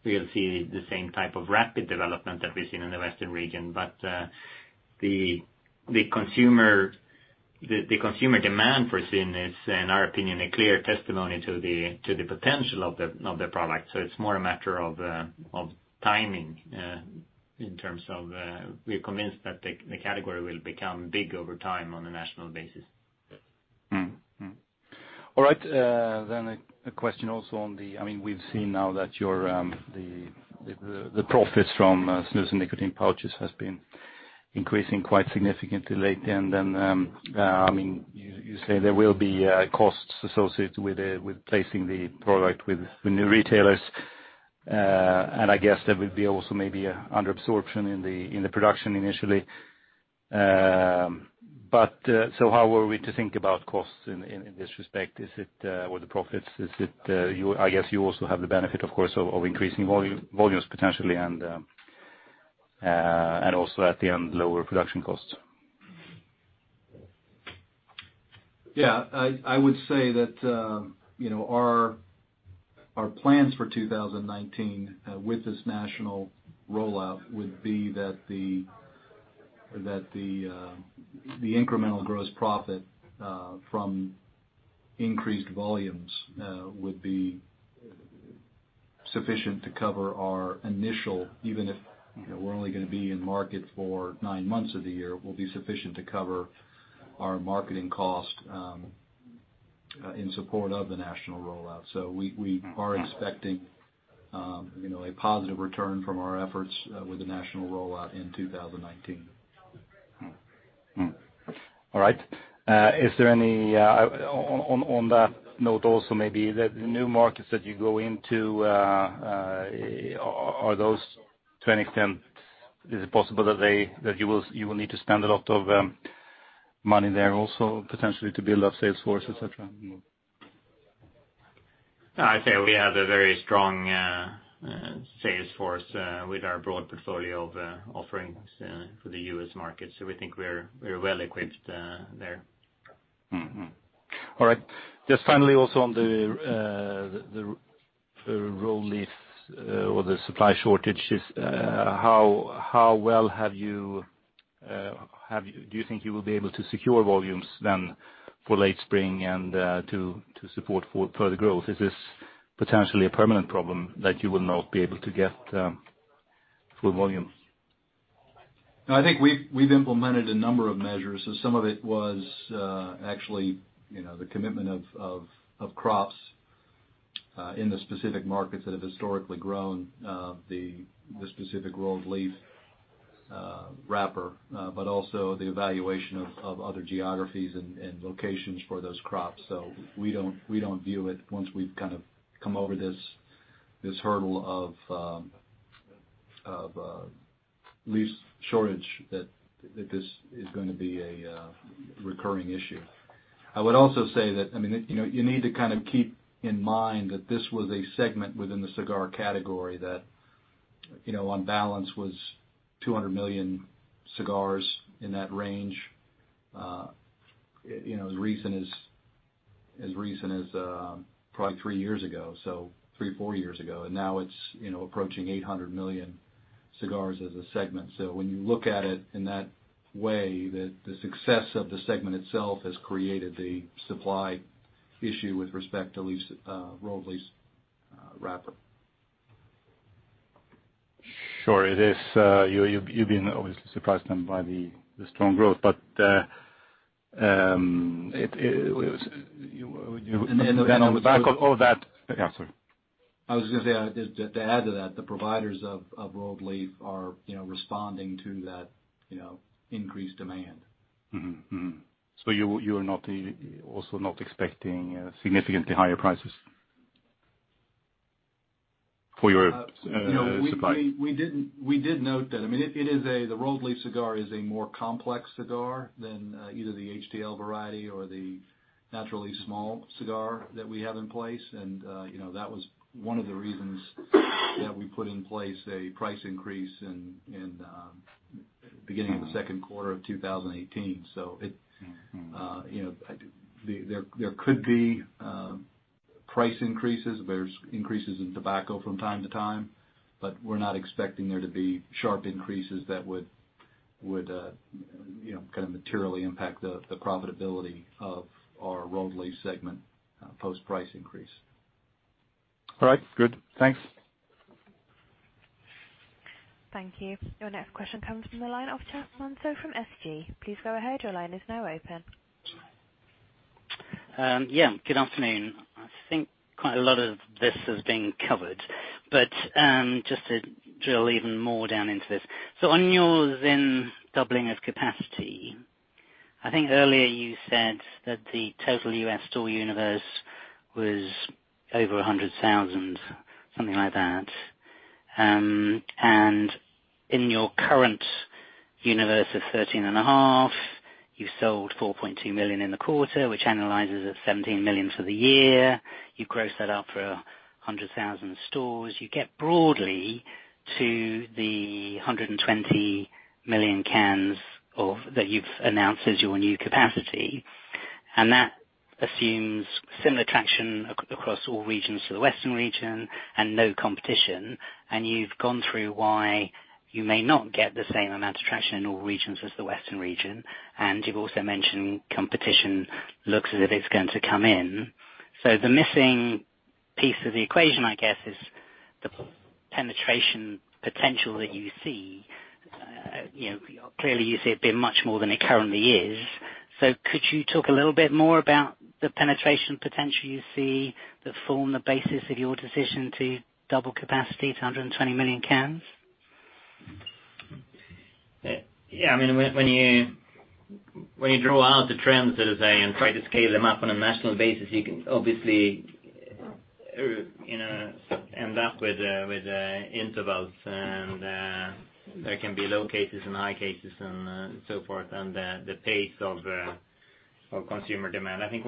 we'll see the same type of rapid development that we've seen in the Western region. But the consumer demand for ZYN is, in our opinion, a clear testimony to the potential of the product. It's more a matter of timing in terms of we are convinced that the category will become big over time on a national basis. All right. A question also. We've seen now that the profits from snus and nicotine pouches has been increasing quite significantly lately. You say there will be costs associated with placing the product with new retailers. I guess there will be also maybe under absorption in the production initially. How are we to think about costs in this respect? Or the profits? I guess you also have the benefit, of course, of increasing volumes potentially and also at the end, lower production costs. Yeah. I would say that our plans for 2019 with this national rollout would be that the incremental gross profit from increased volumes would be sufficient to cover our initial, even if we're only going to be in market for nine months of the year, will be sufficient to cover our marketing cost in support of the national rollout. We are expecting a positive return from our efforts with the national rollout in 2019. Mm-hmm. All right. On that note, also maybe the new markets that you go into, are those to any extent, is it possible that you will need to spend a lot of money there also potentially to build up sales force, et cetera? No, I'd say we have a very strong sales force with our broad portfolio of offerings for the U.S. market. We think we're well-equipped there. All right. Just finally, also on the rolled leaf or the supply shortages, how well had you, uh, do you think you will be able to secure volumes then for late spring and to support for further growth? Is this potentially a permanent problem that you will not be able to get full volume? No, I think we've implemented a number of measures. Some of it was actually the commitment of crops in the specific markets that have historically grown the specific rolled leaf wrapper, but also the evaluation of other geographies and locations for those crops. We don't view it, once we've come over this hurdle of leaf shortage, that this is going to be a recurring issue. I would also say that you need to keep in mind that this was a segment within the cigar category that, on balance, was 200 million cigars, in that range, as recent as probably three years ago. three or four years ago. Now it's approaching 800 million cigars as a segment. When you look at it in that way, the success of the segment itself has created the supply issue with respect to rolled leaf wrapper. Sure it is. You've been obviously surprised then by the strong growth. Yeah, sorry. I was going to say, to add to that, the providers of rolled leaf are responding to that increased demand. Mm-hmm. You're also not expecting significantly higher prices for your supply? We did note that. The rolled leaf cigar is a more complex cigar than either the HTL variety or the natural leaf cigars that we have in place. That was one of the reasons that we put in place a price increase in beginning of the Q2 of 2018. There could be price increases. There is increases in tobacco from time to time, but we are not expecting there to be sharp increases that would materially impact the profitability of our rolled leaf segment, post-price increase. All right, good. Thanks. Thank you. Your next question comes from the line of Chas Manso from SG Research. Please go ahead, your line is now open. Yeah, good afternoon. I think quite a lot of this has been covered, but just to drill even more down into this. On your ZYN doubling its capacity, I think earlier you said that the total U.S. store universe was over 100,000, something like that. In your current universe of 13,500, you sold 4.2 million in the quarter, which annualizes at 17 million for the year. You gross that up for 100,000 stores. You get broadly to the 120 million cans that you've announced as your new capacity. That assumes similar traction across all regions to the western region and no competition. You've gone through why you may not get the same amount of traction in all regions as the western region. You've also mentioned competition looks as if it's going to come in. The missing piece of the equation, I guess, is the penetration potential that you see. Clearly, you see it being much more than it currently is. Could you talk a little bit more about the penetration potential you see that form the basis of your decision to double capacity to 120 million cans? Yeah, when you draw out the trends, as I say, and try to scale them up on a national basis, you can obviously end up with intervals, and there can be low cases and high cases and so forth on the pace of consumer demand. I think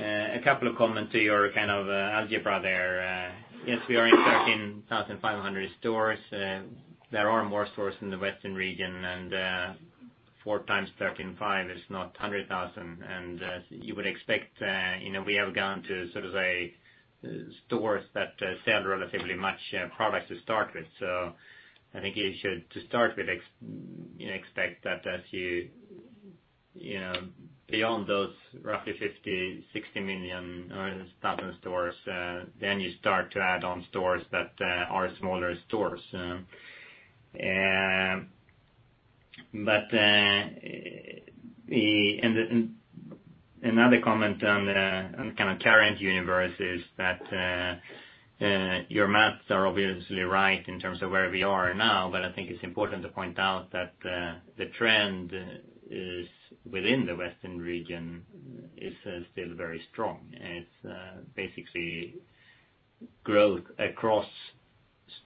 a couple of comments to your algebra there. Yes, we are in 13,500 stores. There are more stores in the western region. four times 13,500 is not 100,000. You would expect, we have gone to sort of stores that sell relatively much product to start with. I think you should, to start with, expect that as you beyond those roughly 50,000, 60,000 stores, then you start to add on stores that are smaller stores. But another comment on kind of current universe is that your maths are obviously right in terms of where we are now, but I think it's important to point out that the trend is within the western region is still very strong. It's basically growth across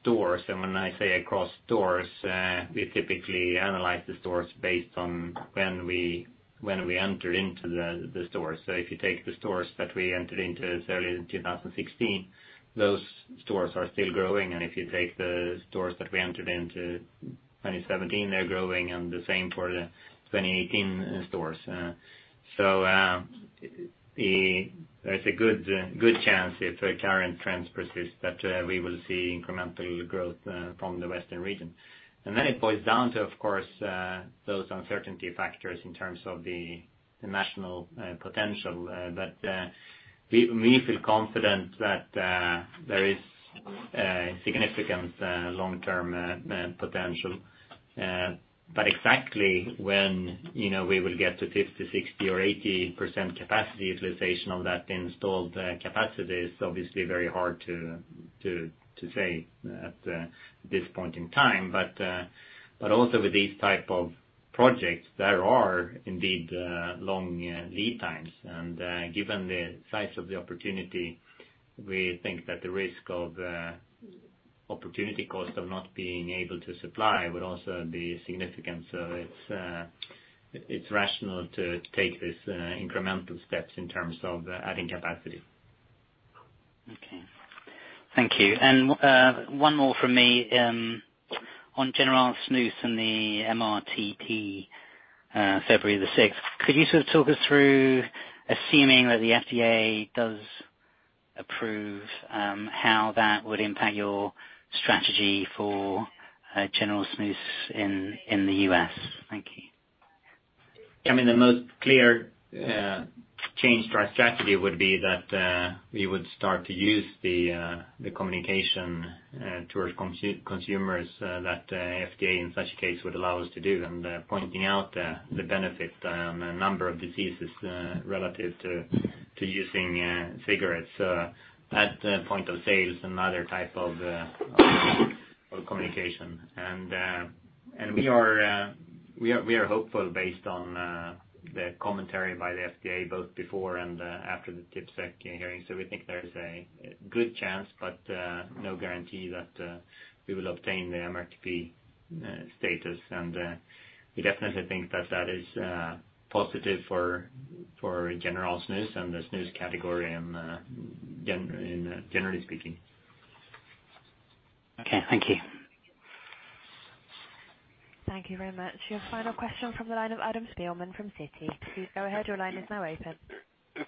stores. When I say across stores, we typically analyze the stores based on when we enter into the stores. If you take the stores that we entered into as early as 2016, those stores are still growing. If you take the stores that we entered into 2017, they're growing, and the same for the 2018 stores. There's a good chance if the current trends persist, that we will see incremental growth from the western region. Then it boils down to, of course, those uncertainty factors in terms of the national potential. We feel confident that there is significant long-term potential. Exactly when we will get to 50%, 60% or 80% capacity utilization of that installed capacity is obviously very hard to say at this point in time. Also with these type of projects, there are indeed long lead times. Given the size of the opportunity, we think that the risk of opportunity cost of not being able to supply would also be significant. It's rational to take this incremental steps in terms of adding capacity. Okay. Thank you. One more from me, on General Snus and the MRTP February 6th. Could you sort of talk us through assuming that the FDA does approve, how that would impact your strategy for General Snus in the U.S.? Thank you. I mean, the most clear change to our strategy would be that we would start to use the communication towards consumers that FDA in such case would allow us to do, and pointing out the benefit on the number of diseases relative to using cigarettes at the point of sales and other type of communication. And we are hopeful based on the commentary by the FDA both before and after the TPSAC hearing. We think there is a good chance, but no guarantee that we will obtain the MRTP status. We definitely think that that is positive for General Snus and the smooth category and generally speaking. Okay. Thank you. Thank you very much. Your final question from the line of Adam Spielman from Citi Research. Please go ahead. Your line is now open.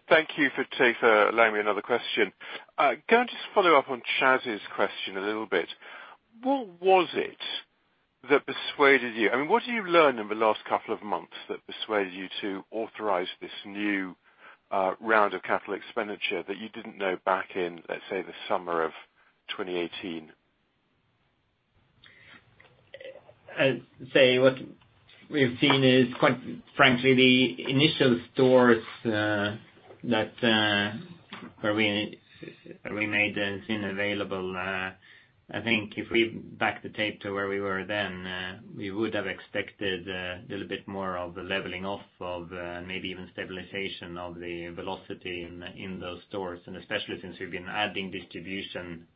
Thank you for allowing me another question. Can I just follow up on Chaz's question a little bit. What was it that persuaded you? I mean, what have you learned in the last couple of months that persuaded you to authorize this new round of capital expenditure that you didn't know back in, let's say, the summer of 2018? I'd say what we've seen is, quite frankly, the initial stores that where we made Zyn available, I think if we back the tape to where we were then, we would have expected a little bit more of a leveling off of maybe even stabilization of the velocity in those stores. Especially since we've been adding distribution,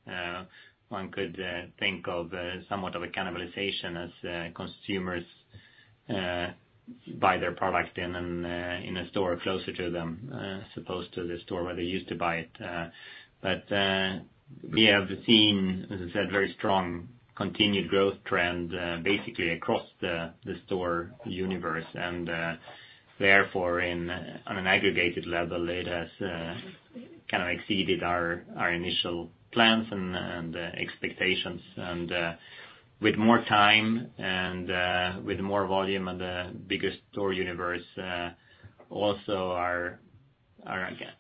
one could think of somewhat of a cannibalization as consumers buy their product in a store closer to them as opposed to the store where they used to buy it. We have seen, as I said, very strong continued growth trend basically across the store universe. Therefore on an aggregated level, it has kind of exceeded our initial plans and expectations. With more time and with more volume and a bigger store universe, also our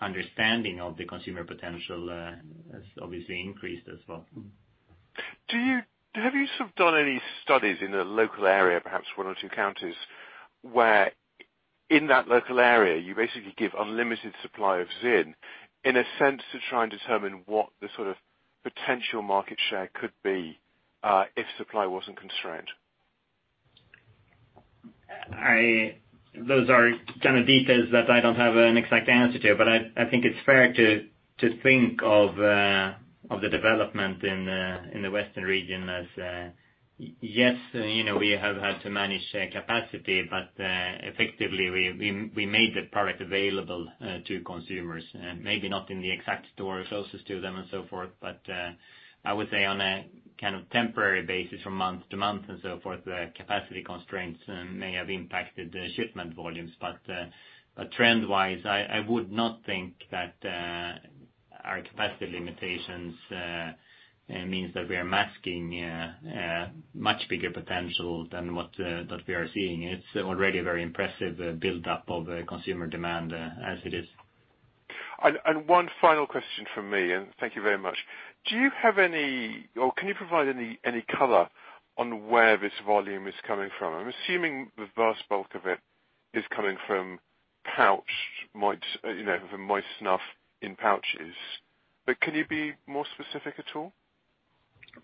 understanding of the consumer potential has obviously increased as well. Have you sort of done any studies in a local area, perhaps one or two counties, where in that local area you basically give unlimited supply of Zyn, in a sense to try and determine what the sort of potential market share could be if supply wasn't constrained? Those are kind of details that I don't have an exact answer to. I think it's fair to think of the development in the western region as, yes, we have had to manage capacity, but effectively, we made the product available to consumers, maybe not in the exact store closest to them and so forth. I would say on a temporary basis from month to month and so forth, the capacity constraints may have impacted the shipment volumes. Trend wise, I would not think that our capacity limitations means that we are masking much bigger potential than what we are seeing. It's already a very impressive build-up of consumer demand as it is. One final question from me. Thank you very much. Do you have any, or can you provide any color on where this volume is coming from? I'm assuming the vast bulk of it is coming from moist snuff in pouches. Can you be more specific at all?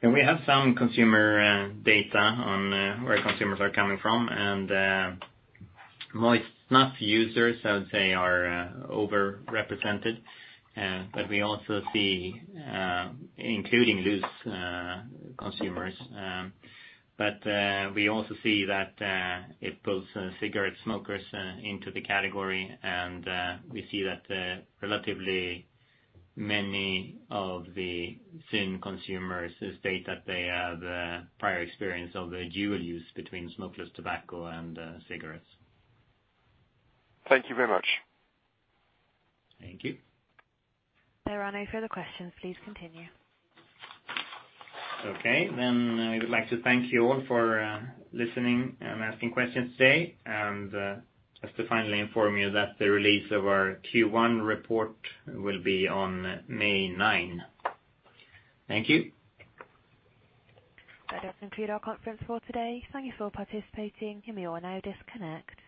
We have some consumer data on where consumers are coming from. Moist snuff users, I would say, are over-represented, and we also see, including loose consumers. We also see that it pulls cigarette smokers into the category. And we see that relatively many of the Zyn consumers state that they have prior experience of the dual use between smokeless tobacco and cigarettes. Thank you very much. Thank you. There are no further questions. Please continue. Okay. We would like to thank you all for listening and asking questions today. Just to finally inform you that the release of our Q1 report will be on May 9. Thank you. That does conclude our conference call today. Thank you for participating. You may all now disconnect.